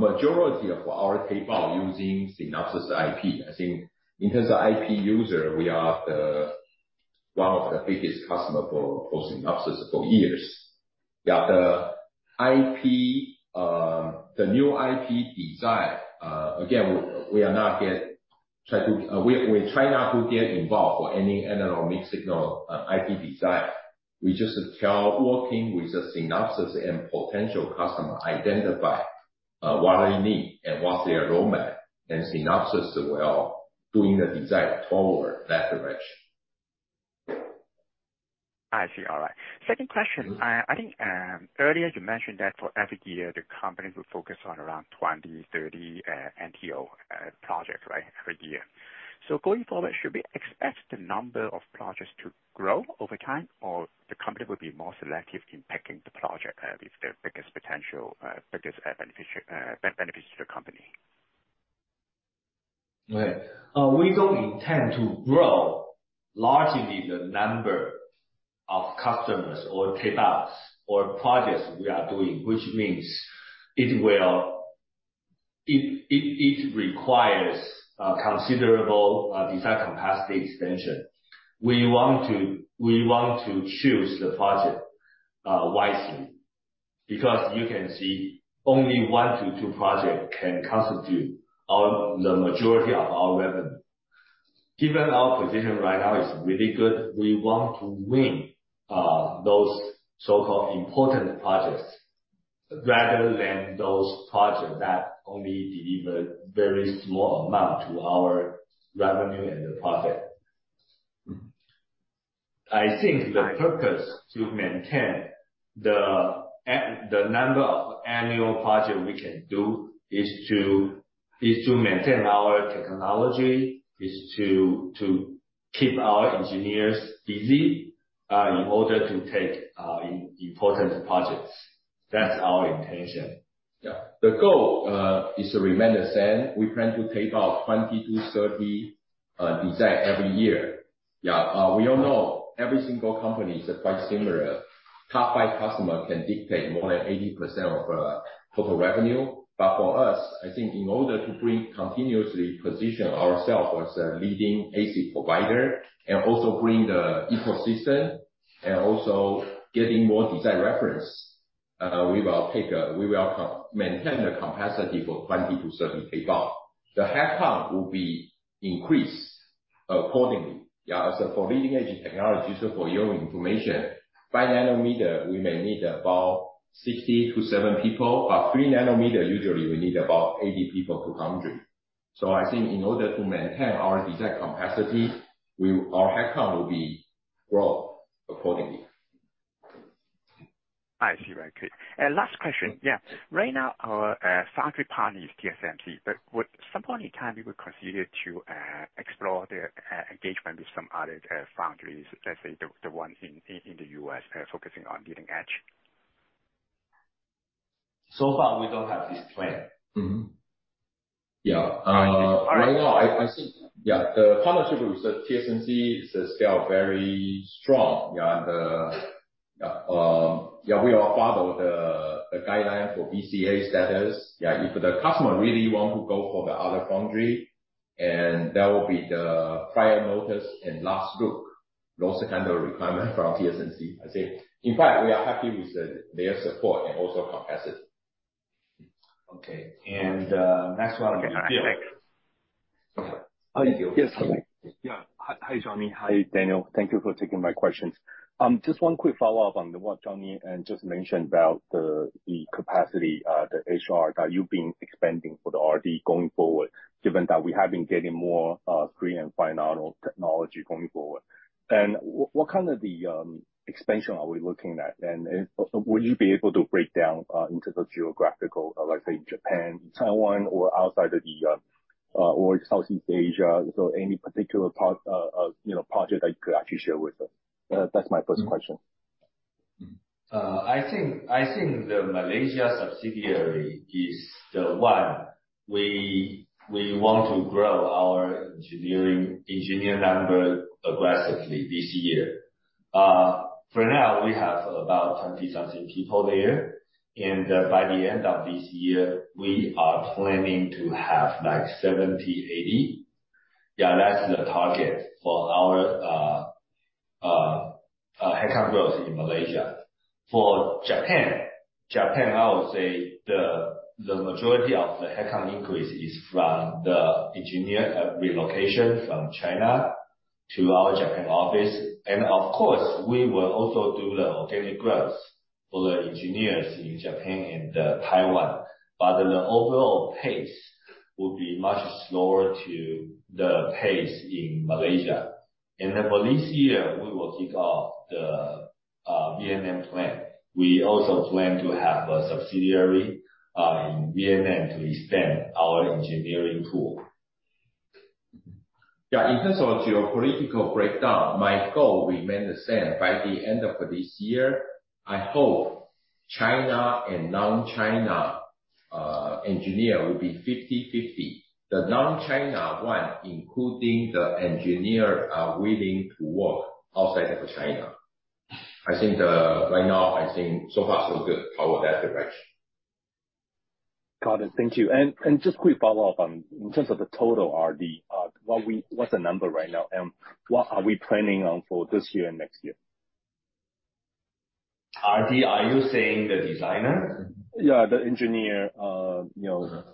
majority of our tape-out using Synopsys IP. I think in terms of IP user, we are the one of the biggest customer for Synopsys for years. Yeah, the IP, the new IP design, again, we are not yet try to, we, we try not to get involved for any analog mixed signal IP design. We just tell working with the Synopsys and potential customer, identify what they need and what's their roadmap, and Synopsys will doing the design forward that direction. I see. All right. Second question. Mm-hmm. I think, earlier you mentioned that for every year, the company will focus on around 20, 30 NTO project, right? Every year. So going forward, should we expect the number of projects to grow over time, or the company will be more selective in picking the project with the biggest potential, biggest benefits to the company? Okay. We don't intend to grow largely the number of customers, or tape-outs, or projects we are doing, which means it requires considerable design capacity expansion. We want to choose the project wisely, because you can see only 1-2 projects can constitute the majority of our revenue. Given our position right now is really good, we want to win those so-called important projects, rather than those projects that only deliver very small amount to our revenue and the profit. I think the purpose to maintain the number of annual projects we can do is to maintain our technology, to keep our engineers busy in order to take important projects. That's our intention. Yeah. The goal is remain the same. We plan to tape-out 20-30 design every year. Yeah. We all know every single company is quite similar. Top five customer can dictate more than 80% of total revenue. But for us, I think in order to bring continuously position ourselves as a leading ASIC provider, and also bring the ecosystem, and also getting more design reference, we will maintain the capacity for 20-30 tape-out. The headcount will be increased accordingly. Yeah, so for leading edge technology, so for your information, 5-nanometer, we may need about 60-70 people. Three nanometer, usually we need about 80-100 people. So I think in order to maintain our design capacity, we, our headcount will be grow accordingly. I see. Very good. And last question. Yeah. Right now, our foundry partner is TSMC, but would some point in time you would consider to explore the engagement with some other foundries, let's say, the ones in the U.S., focusing on leading edge? So far, we don't have this plan. Mm-hmm. Yeah. Uh- All right. Right now, I think, yeah, the partnership with the TSMC is still very strong. Yeah, we all follow the guideline for VCA status. Yeah, if the customer really want to go for the other foundry, and that will be the prior notice and last look, those kind of requirement from TSMC, I think. In fact, we are happy with their support and also capacity. Okay. And, next one- Okay, thanks. Okay. Yes. Yeah. Hi, Johnny. Hi, Daniel. Thank you for taking my questions. Just one quick follow-up on what Johnny just mentioned about the capacity, the HR that you've been expanding for the R&D going forward, given that we have been getting more 3 and 5 nano technology going forward. And what kind of the expansion are we looking at? And would you be able to break down into the geographical, let's say, Japan, Taiwan, or outside of the or Southeast Asia? So any particular part you know project that you could actually share with us? That's my first question. I think the Malaysia subsidiary is the one we want to grow our engineer number aggressively this year. For now, we have about 20-something people there, and by the end of this year, we are planning to have, like, 70-80. Yeah, that's the target for our headcount growth in Malaysia. For Japan, I would say the majority of the headcount increase is from the engineer relocation from China to our Japan office. And of course, we will also do the organic growth for the engineers in Japan and Taiwan. But the overall pace will be much slower to the pace in Malaysia. And then for this year, we will kick off the Vietnam plan. We also plan to have a subsidiary in Vietnam to extend our engineering tool. Yeah, in terms of geopolitical breakdown, my goal remain the same. By the end of this year, China and non-China engineer will be 50/50. The non-China one, including the engineer, are willing to work outside of China. I think, right now, I think so far so good, our that direction. Got it. Thank you. And just quick follow-up on, in terms of the total R&D, what's the number right now, and what are we planning on for this year and next year? RD, are you saying the designer? Yeah, the engineer, you know,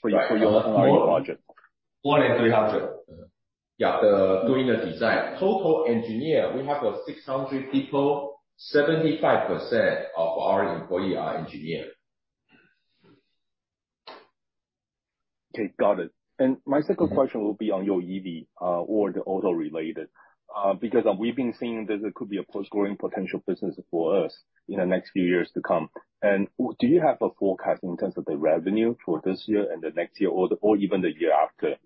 for your, for your NRE project. More than 300. Yeah, the doing the design. Total engineer, we have 600 people. 75% of our employee are engineer. Okay, got it. And my second question will be on your EV, or the auto-related. Because we've been seeing that it could be a post-growing potential business for us in the next few years to come. And do you have a forecast in terms of the revenue for this year and the next year or even the year after,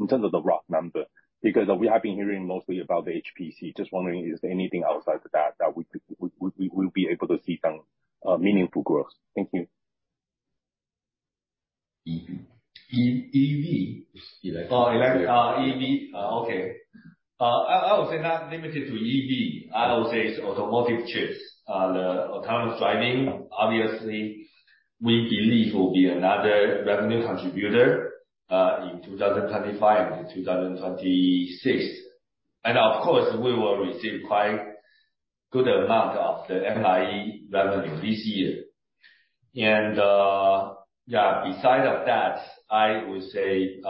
in terms of the rough number? Because we have been hearing mostly about the HPC. Just wondering, is there anything outside of that, that we could, we'll be able to see some meaningful growth? Thank you. EV? Electric. Oh, electric, EV. Okay. I would say not limited to EV. I would say it's automotive chips. The autonomous driving, obviously, we believe will be another revenue contributor in 2025 and 2026. And of course, we will receive quite good amount of the NRE revenue this year. And, yeah, besides that, I would say,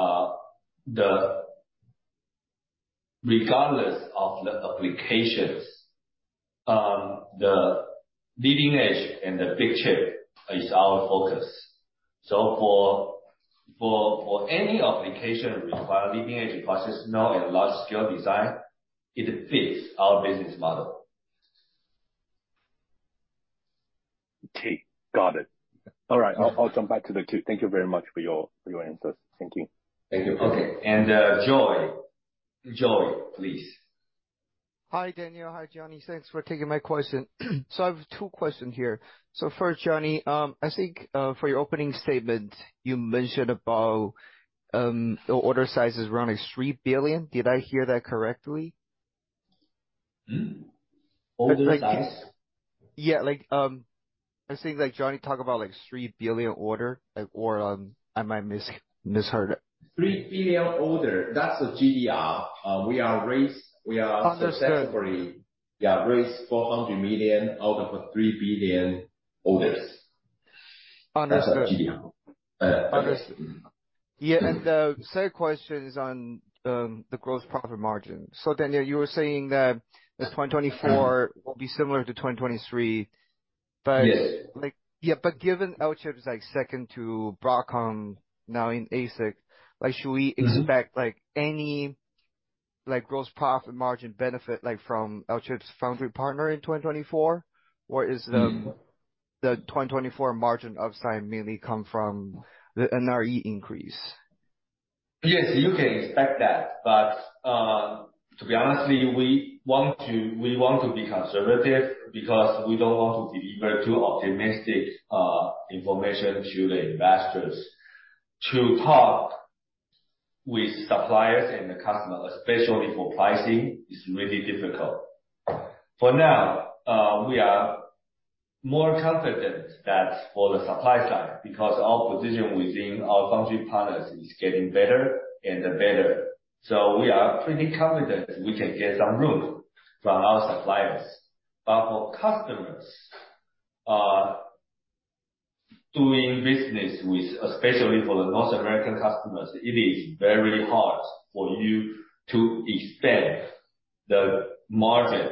regardless of the applications, the leading edge and the big chip is our focus. So for any application requiring leading-edge process node and large-scale design, it fits our business model. Okay. Got it. All right. I'll jump back to the queue. Thank you very much for your answers. Thank you. Thank you. Okay. And, Joy. Joy, please. Hi, Daniel. Hi, Johnny. Thanks for taking my question. I have two questions here. First, Johnny, I think for your opening statement, you mentioned about the order size is around 3 billion. Did I hear that correctly? Hmm? Order size? Yeah, like, I think, like, Johnny, talk about, like, 3 billion order, like, or, I might misheard it. 3 billion order, that's a GDR. We are raised, we are- Understood. Successfully, yeah, raised $400 million out of $3 billion orders. Understood. That's the GDR. Understood. Yeah, and the second question is on the gross profit margin. So Daniel, you were saying that as 2024 will be similar to 2023, but- Yeah. Like, yeah, but given Alchip's, like, second to Broadcom now in ASIC, like, should we expect, like, any, like, gross profit margin benefit, like, from Alchip's foundry partner in 2024? Or is the- Mm. The 2024 margin upside mainly come from the NRE increase? Yes, you can expect that. But to be honest, we want to be conservative because we don't want to deliver too optimistic information to the investors. To talk with suppliers and the customer, especially for pricing, is really difficult. For now, we are more confident that for the supply side, because our position within our foundry partners is getting better and better. So we are pretty confident we can get some room from our suppliers. But for customers, doing business with, especially for the North American customers, it is very hard for you to expand the margin,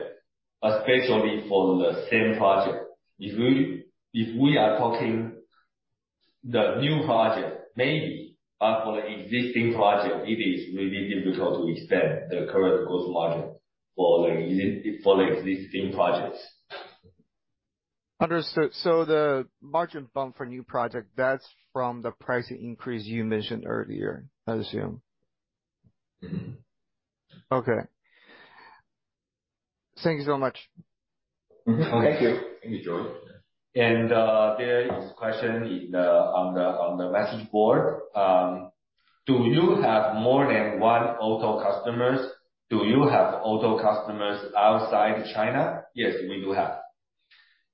especially for the same project. If we are talking the new project, maybe, but for the existing project, it is really difficult to extend the current growth margin for the existing projects. Understood. So the margin bump for new project, that's from the pricing increase you mentioned earlier, I assume? Mm-hmm. Okay. Thank you so much. Thank you. Thank you, Joy. And there is a question on the message board. Do you have more than one auto customers? Do you have auto customers outside China? Yes, we do have.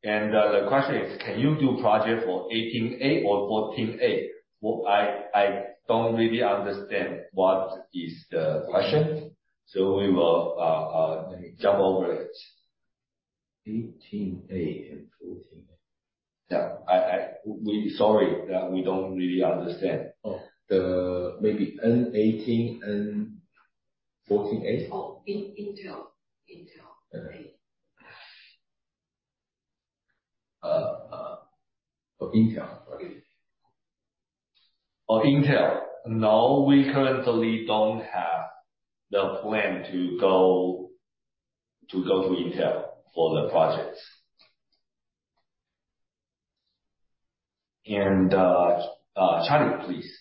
And the question is, can you do project for 18A or 14A? Well, I don't really understand what is the question, so we will jump over it. 18A and 14A. Yeah, we—sorry, we don't really understand. Oh. Maybe N18, N14A? Oh, Intel. Intel. Oh, Intel. Okay. Oh, Intel. No, we currently don't have the plan to go to Intel for the projects. And Charlie, please....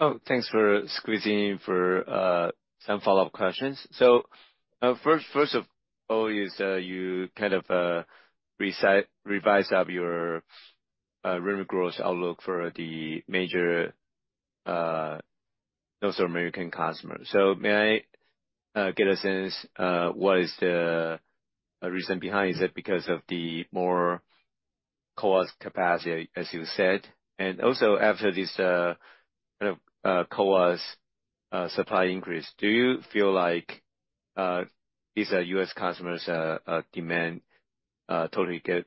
Oh, thanks for squeezing in for some follow-up questions. So, first of all, you kind of revise up your revenue growth outlook for the major North American customers. So may I get a sense what is the reason behind? Is it because of the more CoWoS capacity, as you said? And also after this kind of CoWoS supply increase, do you feel like these U.S. customers demand totally get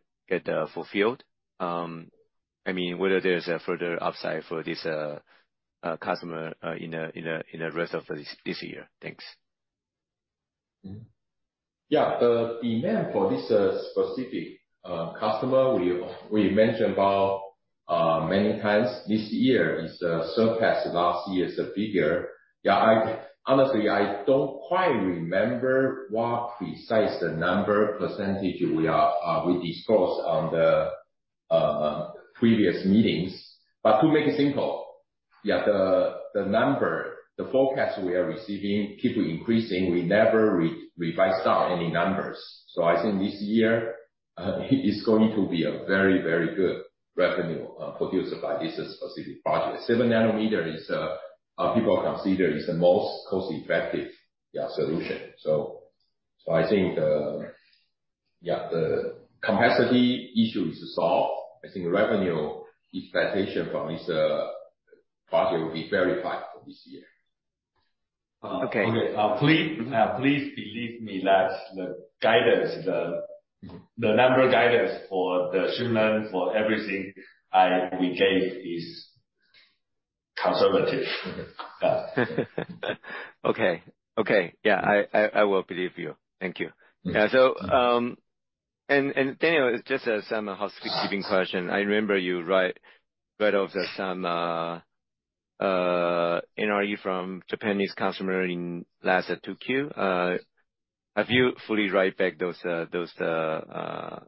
fulfilled? I mean, whether there's a further upside for this customer in the rest of this year. Thanks. Mm-hmm. Yeah. The demand for this specific customer we mentioned about many times this year is surpassed last year's figure. Yeah, I honestly don't quite remember what precise the number percentage we are we discussed on the previous meetings. But to make it simple, yeah, the number, the forecast we are receiving keep increasing. We never revised down any numbers. So I think this year is going to be a very, very good revenue produced by this specific project. 7 nanometer is people consider is the most cost-effective, yeah, solution. So, so I think the... Yeah, the capacity issue is solved. I think the revenue expectation from this project will be very high for this year. Okay. Okay. Please, please believe me that the guidance, the number guidance for the shipment, for everything I, we gave, is conservative. Okay, okay. Yeah, I will believe you. Thank you. Mm-hmm. Yeah, so, and Daniel, just as some housekeeping question, I remember you write, wrote off some, NRE from Japanese customer in last two Q. Have you fully write back those, those, receivables?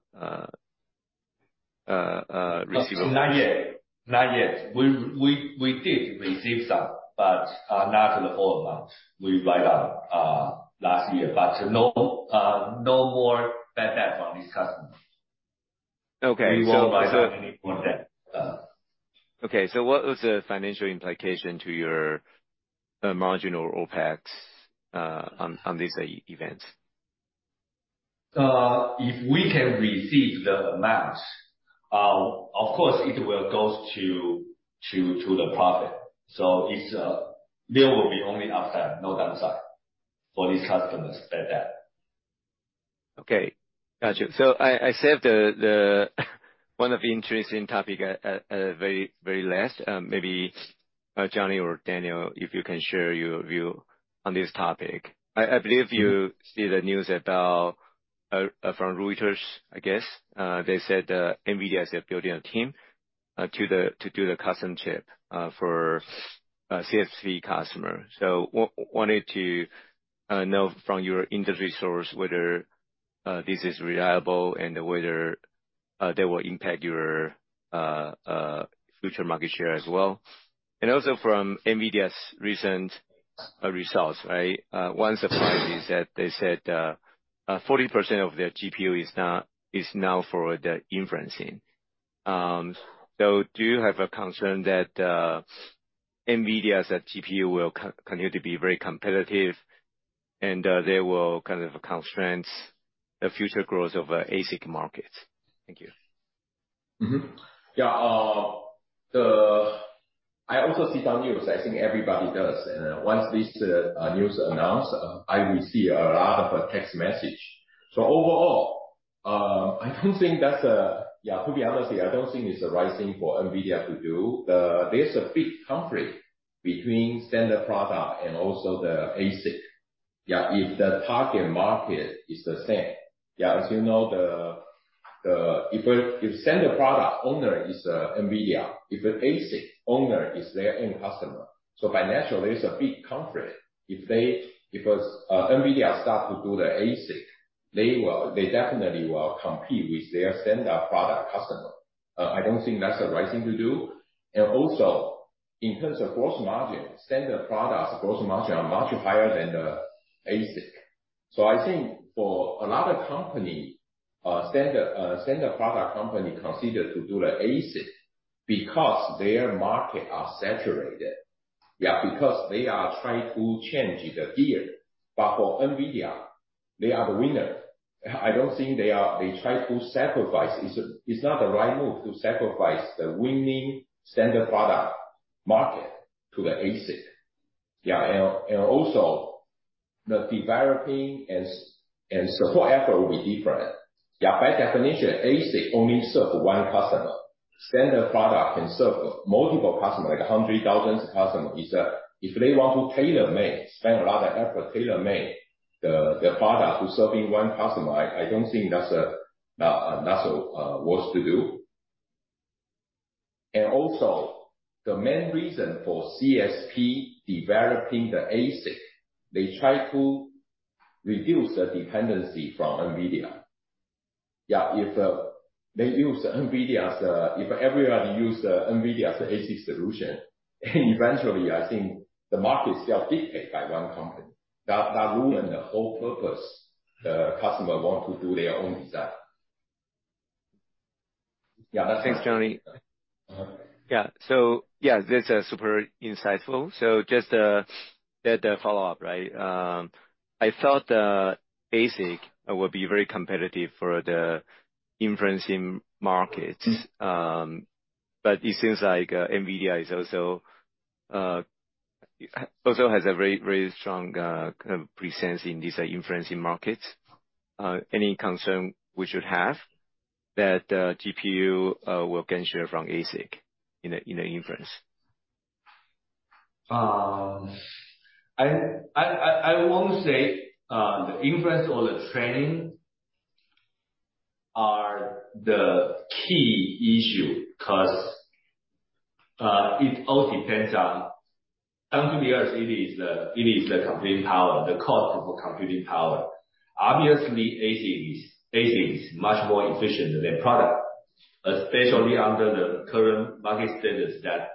Not yet. Not yet. We did receive some, but not the whole amount we write off last year. But no, no more bad debt from these customers. Okay, so- We won't write off any more debt. Okay. So what was the financial implication to your marginal OpEx on this event? If we can receive the amounts, of course, it will goes to the profit. So it's, there will be only upside, no downside for these customers at that. Okay, got you. So I saved the one of the interesting topic at very, very last. Maybe Johnny or Daniel, if you can share your view on this topic. I believe you see the news about from Reuters, I guess. They said NVIDIA is building a team to do the custom chip for CSP customer. So wanted to know from your industry source whether this is reliable and whether they will impact your future market share as well. And also from NVIDIA's recent results, right? One surprise is that they said 40% of their GPU is now for the inferencing. So do you have a concern that NVIDIA's GPU will continue to be very competitive, and they will kind of constrain the future growth of ASIC markets? Thank you. Mm-hmm. Yeah, the... I also see the news. I think everybody does. And once this news announce, I will see a lot of text message. So overall, I don't think that's Yeah, to be honest with you, I don't think it's the right thing for NVIDIA to do. There's a big conflict between standard product and also the ASIC. Yeah, if the target market is the same, yeah, as you know, if standard product owner is NVIDIA, if the ASIC owner is their end customer, so financially, it's a big conflict. If they, if NVIDIA start to do the ASIC, they will, they definitely will compete with their standard product customer. I don't think that's the right thing to do. And also, in terms of gross margin, standard products, gross margin are much higher than the ASIC. So I think for another company, standard product company considered to do the ASIC because their market are saturated. Yeah, because they are trying to change the gear. But for NVIDIA, they are the winner. I don't think they are—they try to sacrifice. It's, it's not the right move to sacrifice the winning standard product market to the ASIC. Yeah, and, and also, the developing and support effort will be different. Yeah, by definition, ASIC only serve one customer. Standard product can serve multiple customers, like 100,000 customers. If they want to tailor-make, spend a lot of effort, tailor-make the, the product to serving one customer, I don't think that's a, that's worth to do. And also, the main reason for CSP developing the ASIC, they try to reduce the dependency from NVIDIA. ... Yeah, if they use NVIDIA as a, if everybody use the NVIDIA as a ASIC solution, eventually, I think the market is still dictated by one company. That, that ruin the whole purpose the customer want to do their own design. Yeah. Thanks, Johnny. Uh-huh. Yeah. So yeah, this is super insightful. So just the follow-up, right? I thought the ASIC would be very competitive for the inferencing markets. Mm-hmm. But it seems like NVIDIA is also has a very, very strong kind of presence in these inferencing markets. Any concern we should have that GPU will gain share from ASIC in the inference? I won't say the inference or the training are the key issue, 'cause it all depends on, down to earth, it is the computing power, the cost of computing power. Obviously, ASIC is much more efficient than their product, especially under the current market status that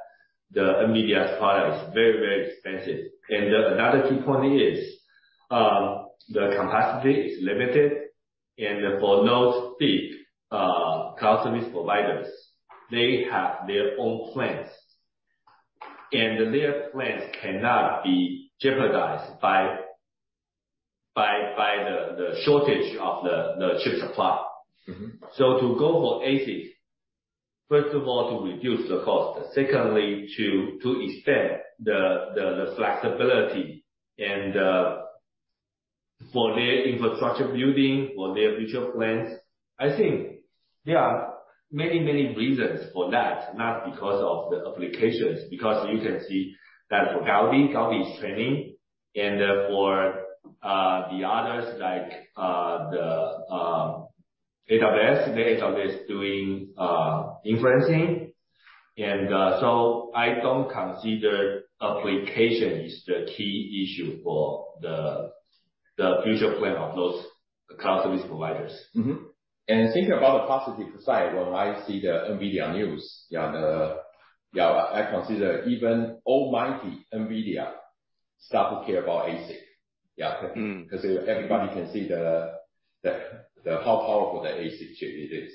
the NVIDIA's product is very, very expensive. And the another key point is, the capacity is limited, and for those big cloud service providers, they have their own plans. And their plans cannot be jeopardized by the shortage of the chip supply. Mm-hmm. So to go for ASIC, first of all, to reduce the cost. Secondly, to extend the flexibility and for their infrastructure building, for their future plans. I think there are many, many reasons for that, not because of the applications. Because you can see that for Gaudi, Gaudi is training, and for the others, like, the AWS, the AWS is doing inferencing. And so I don't consider application is the key issue for the future plan of those cloud service providers. Mm-hmm. Think about the positive side when I see the NVIDIA news, yeah. Yeah, I consider even almighty NVIDIA start to care about ASIC, yeah. Mm. 'Cause everybody can see how powerful the ASIC chip it is.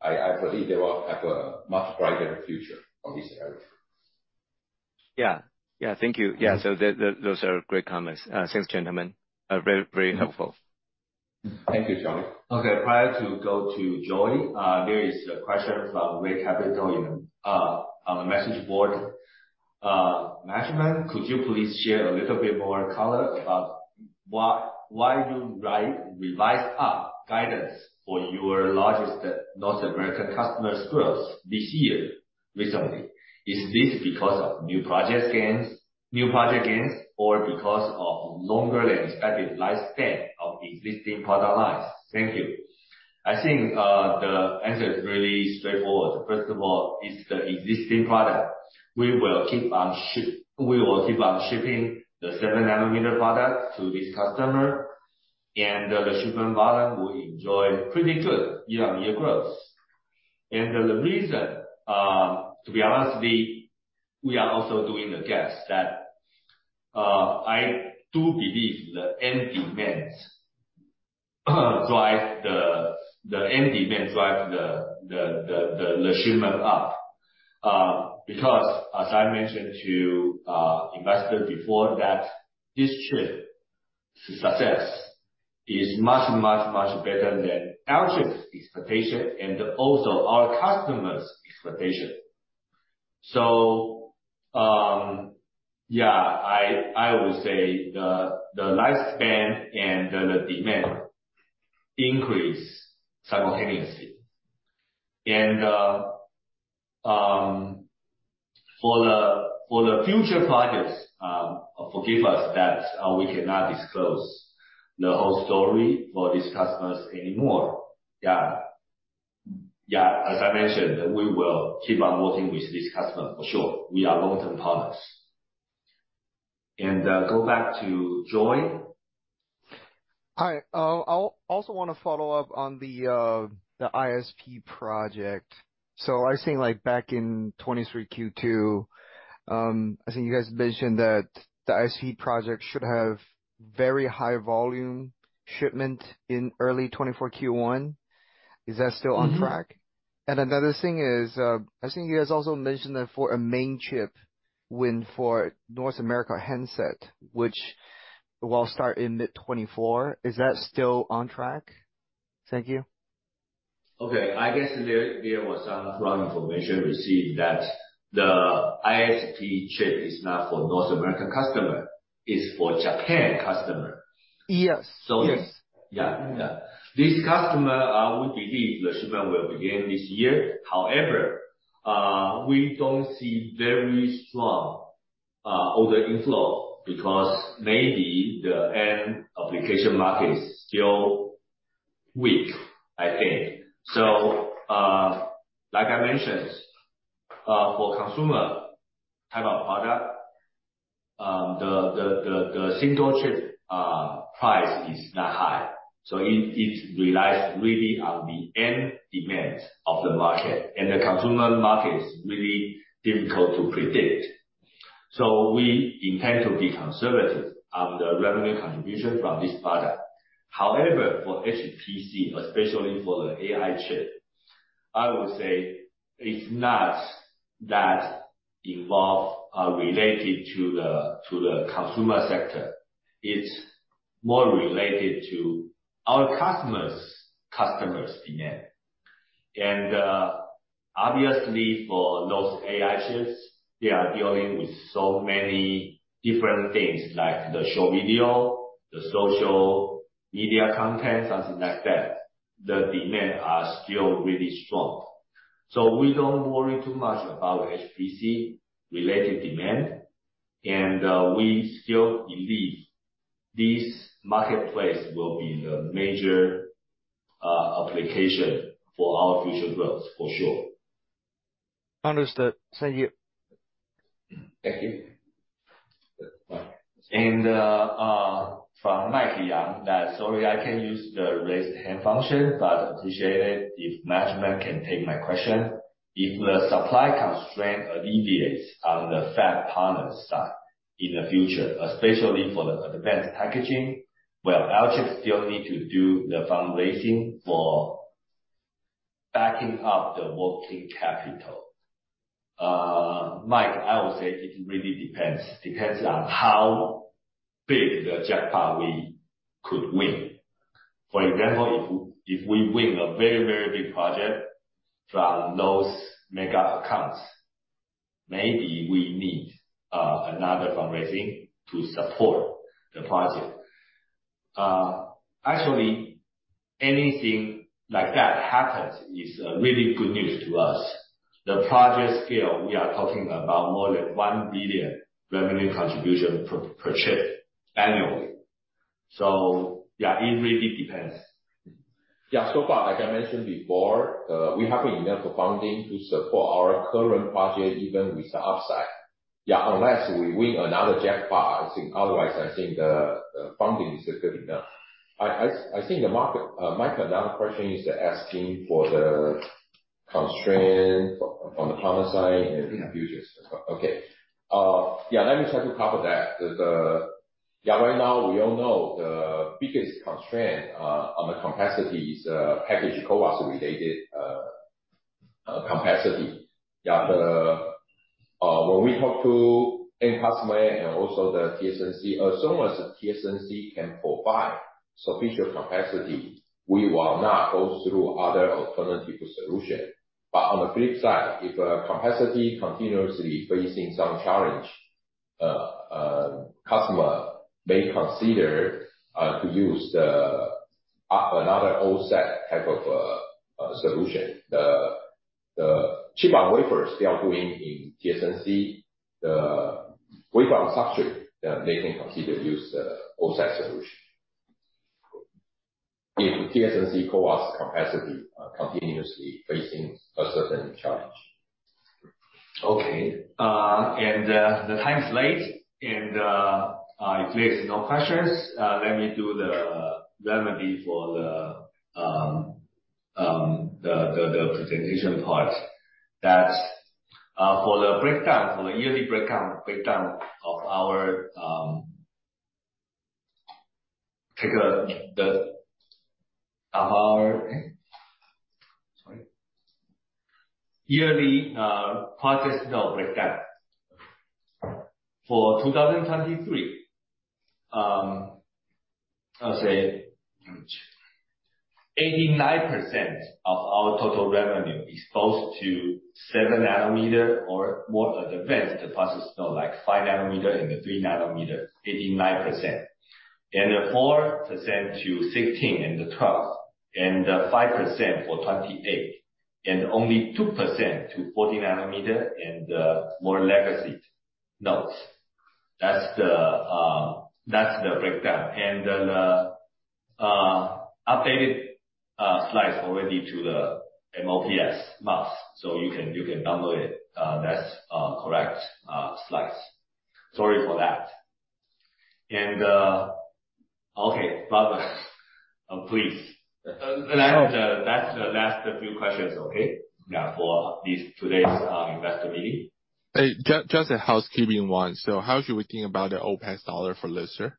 I believe they will have a much brighter future on this area. Yeah. Yeah, thank you. Mm-hmm. Yeah, so those are great comments. Thanks, gentlemen. Very, very helpful. Thank you, Johnny. Okay, prior to go to Johnny, there is a question from Rick Capital in on the message board. "Management, could you please share a little bit more color about why you revise up guidance for your largest North American customer's growth this year recently? Is this because of new project gains, or because of longer than expected lifespan of existing product lines? Thank you." I think, the answer is really straightforward. First of all, it's the existing product. We will keep on shipping the 7-nanometer products to this customer, and the shipment volume will enjoy pretty good year-on-year growth. The reason, to be honest, we are also doing the test, that I do believe the end demand drives the shipment up. Because as I mentioned to investors before that, this tape-out success is much, much, much better than our team's expectation and also our customers' expectation. So, yeah, I would say the lifespan and the demand increase simultaneously. And for the future projects, forgive us that we cannot disclose the whole story for these customers anymore. Yeah. Yeah, as I mentioned, we will keep on working with this customer for sure. We are long-term partners. And go back to Joy. Hi. I'll also want to follow up on the, the ISP project. So I think, like back in 2023 Q2, I think you guys mentioned that the ISP project should have very high volume shipment in early 2024 Q1. Is that still on track? Mm-hmm. And another thing is, I think you guys also mentioned that for a main chip win for North America handset, which will start in mid-2024. Is that still on track? Thank you. Okay. I guess there was some wrong information received, that the ISP chip is not for North American customer, it's for Japan customer. Yes. So- Yes. Yeah. Yeah. This customer, we believe the shipment will begin this year. However, we don't see very strong order inflow, because maybe the end application market is still weak, I think. So, like I mentioned, for consumer type of product. The single chip price is not high, so it relies really on the end demand of the market, and the consumer market is really difficult to predict. So we intend to be conservative on the revenue contribution from this product. However, for HPC, especially for the AI chip, I would say it's not that involved or related to the consumer sector. It's more related to our customers, customers' demand. And, obviously, for those AI chips, they are dealing with so many different things, like the short video, the social media content, something like that. The demand are still really strong. So we don't worry too much about HPC-related demand, and we still believe this marketplace will be the major application for our future growth for sure. Understood. Thank you. Thank you. From Mike Young, sorry, I can't use the raise hand function, but appreciate it if management can take my question. If the supply constraint alleviates on the fab partner side in the future, especially for the advanced packaging, will Alchip still need to do the fundraising for backing up the working capital? Mike, I would say it really depends. Depends on how big the jackpot we could win. For example, if, if we win a very, very big project from those mega accounts, maybe we need another fundraising to support the project. Actually, anything like that happens is really good news to us. The project scale, we are talking about more than $1 billion revenue contribution per, per chip annually. So yeah, it really depends. Yeah, so far, like I mentioned before, we have enough funding to support our current project, even with the upside. Yeah, unless we win another jackpot, I think... otherwise, I think the funding is good enough. I think the market, Mike, another question is asking for the constraint from the partner side and the futures. Okay, yeah, let me try to cover that. Yeah, right now, we all know the biggest constraint on the capacity is package CoWoS related capacity. Yeah, when we talk to end customer and also the TSMC, as soon as TSMC can provide sufficient capacity, we will not go through other alternative solution. But on the flip side, if capacity continuously facing some challenge, customer may consider to use the another offset type of solution. The chip on wafers they are doing in TSMC. The wafer substrate, they can consider use the offset solution. If TSMC CoWoS capacity continuously facing a certain challenge. Okay, and the time is late, and if there is no questions, let me do the remedy for the presentation part. That's for the breakdown, for the yearly breakdown of our... Sorry. Yearly project node breakdown. For 2023, I'll say, 89% of our total revenue exposed to 7 nanometer or more advanced process, you know, like 5 nanometer and the 3 nanometer, 89%. And the 4% to 16 and the 12, and the 5% for 28, and only 2% to 40 nanometer and more legacy nodes. That's the breakdown. And then updated slides already to the MOPS/MASS, so you can download it. That's correct slides. Sorry for that. Okay, brother, please. The last few questions, okay? Yeah, for this, today's investor meeting. Hey, just a housekeeping one. So how should we think about the OPEX dollar for this year?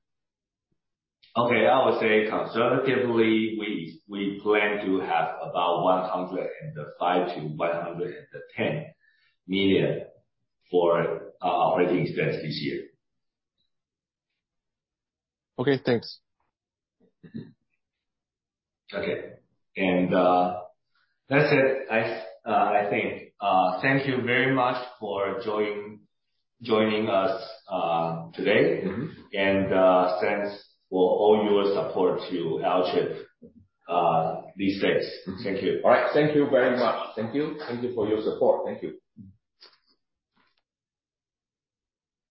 Okay, I would say conservatively, we plan to have about $105 million-$110 million for operating expense this year. Okay, thanks. Mm-hmm. Okay, and that's it. I think thank you very much for joining us today. Mm-hmm. Thanks for all your support to Alchip these days. Thank you. All right. Thank you very much. Thank you. Thank you for your support. Thank you.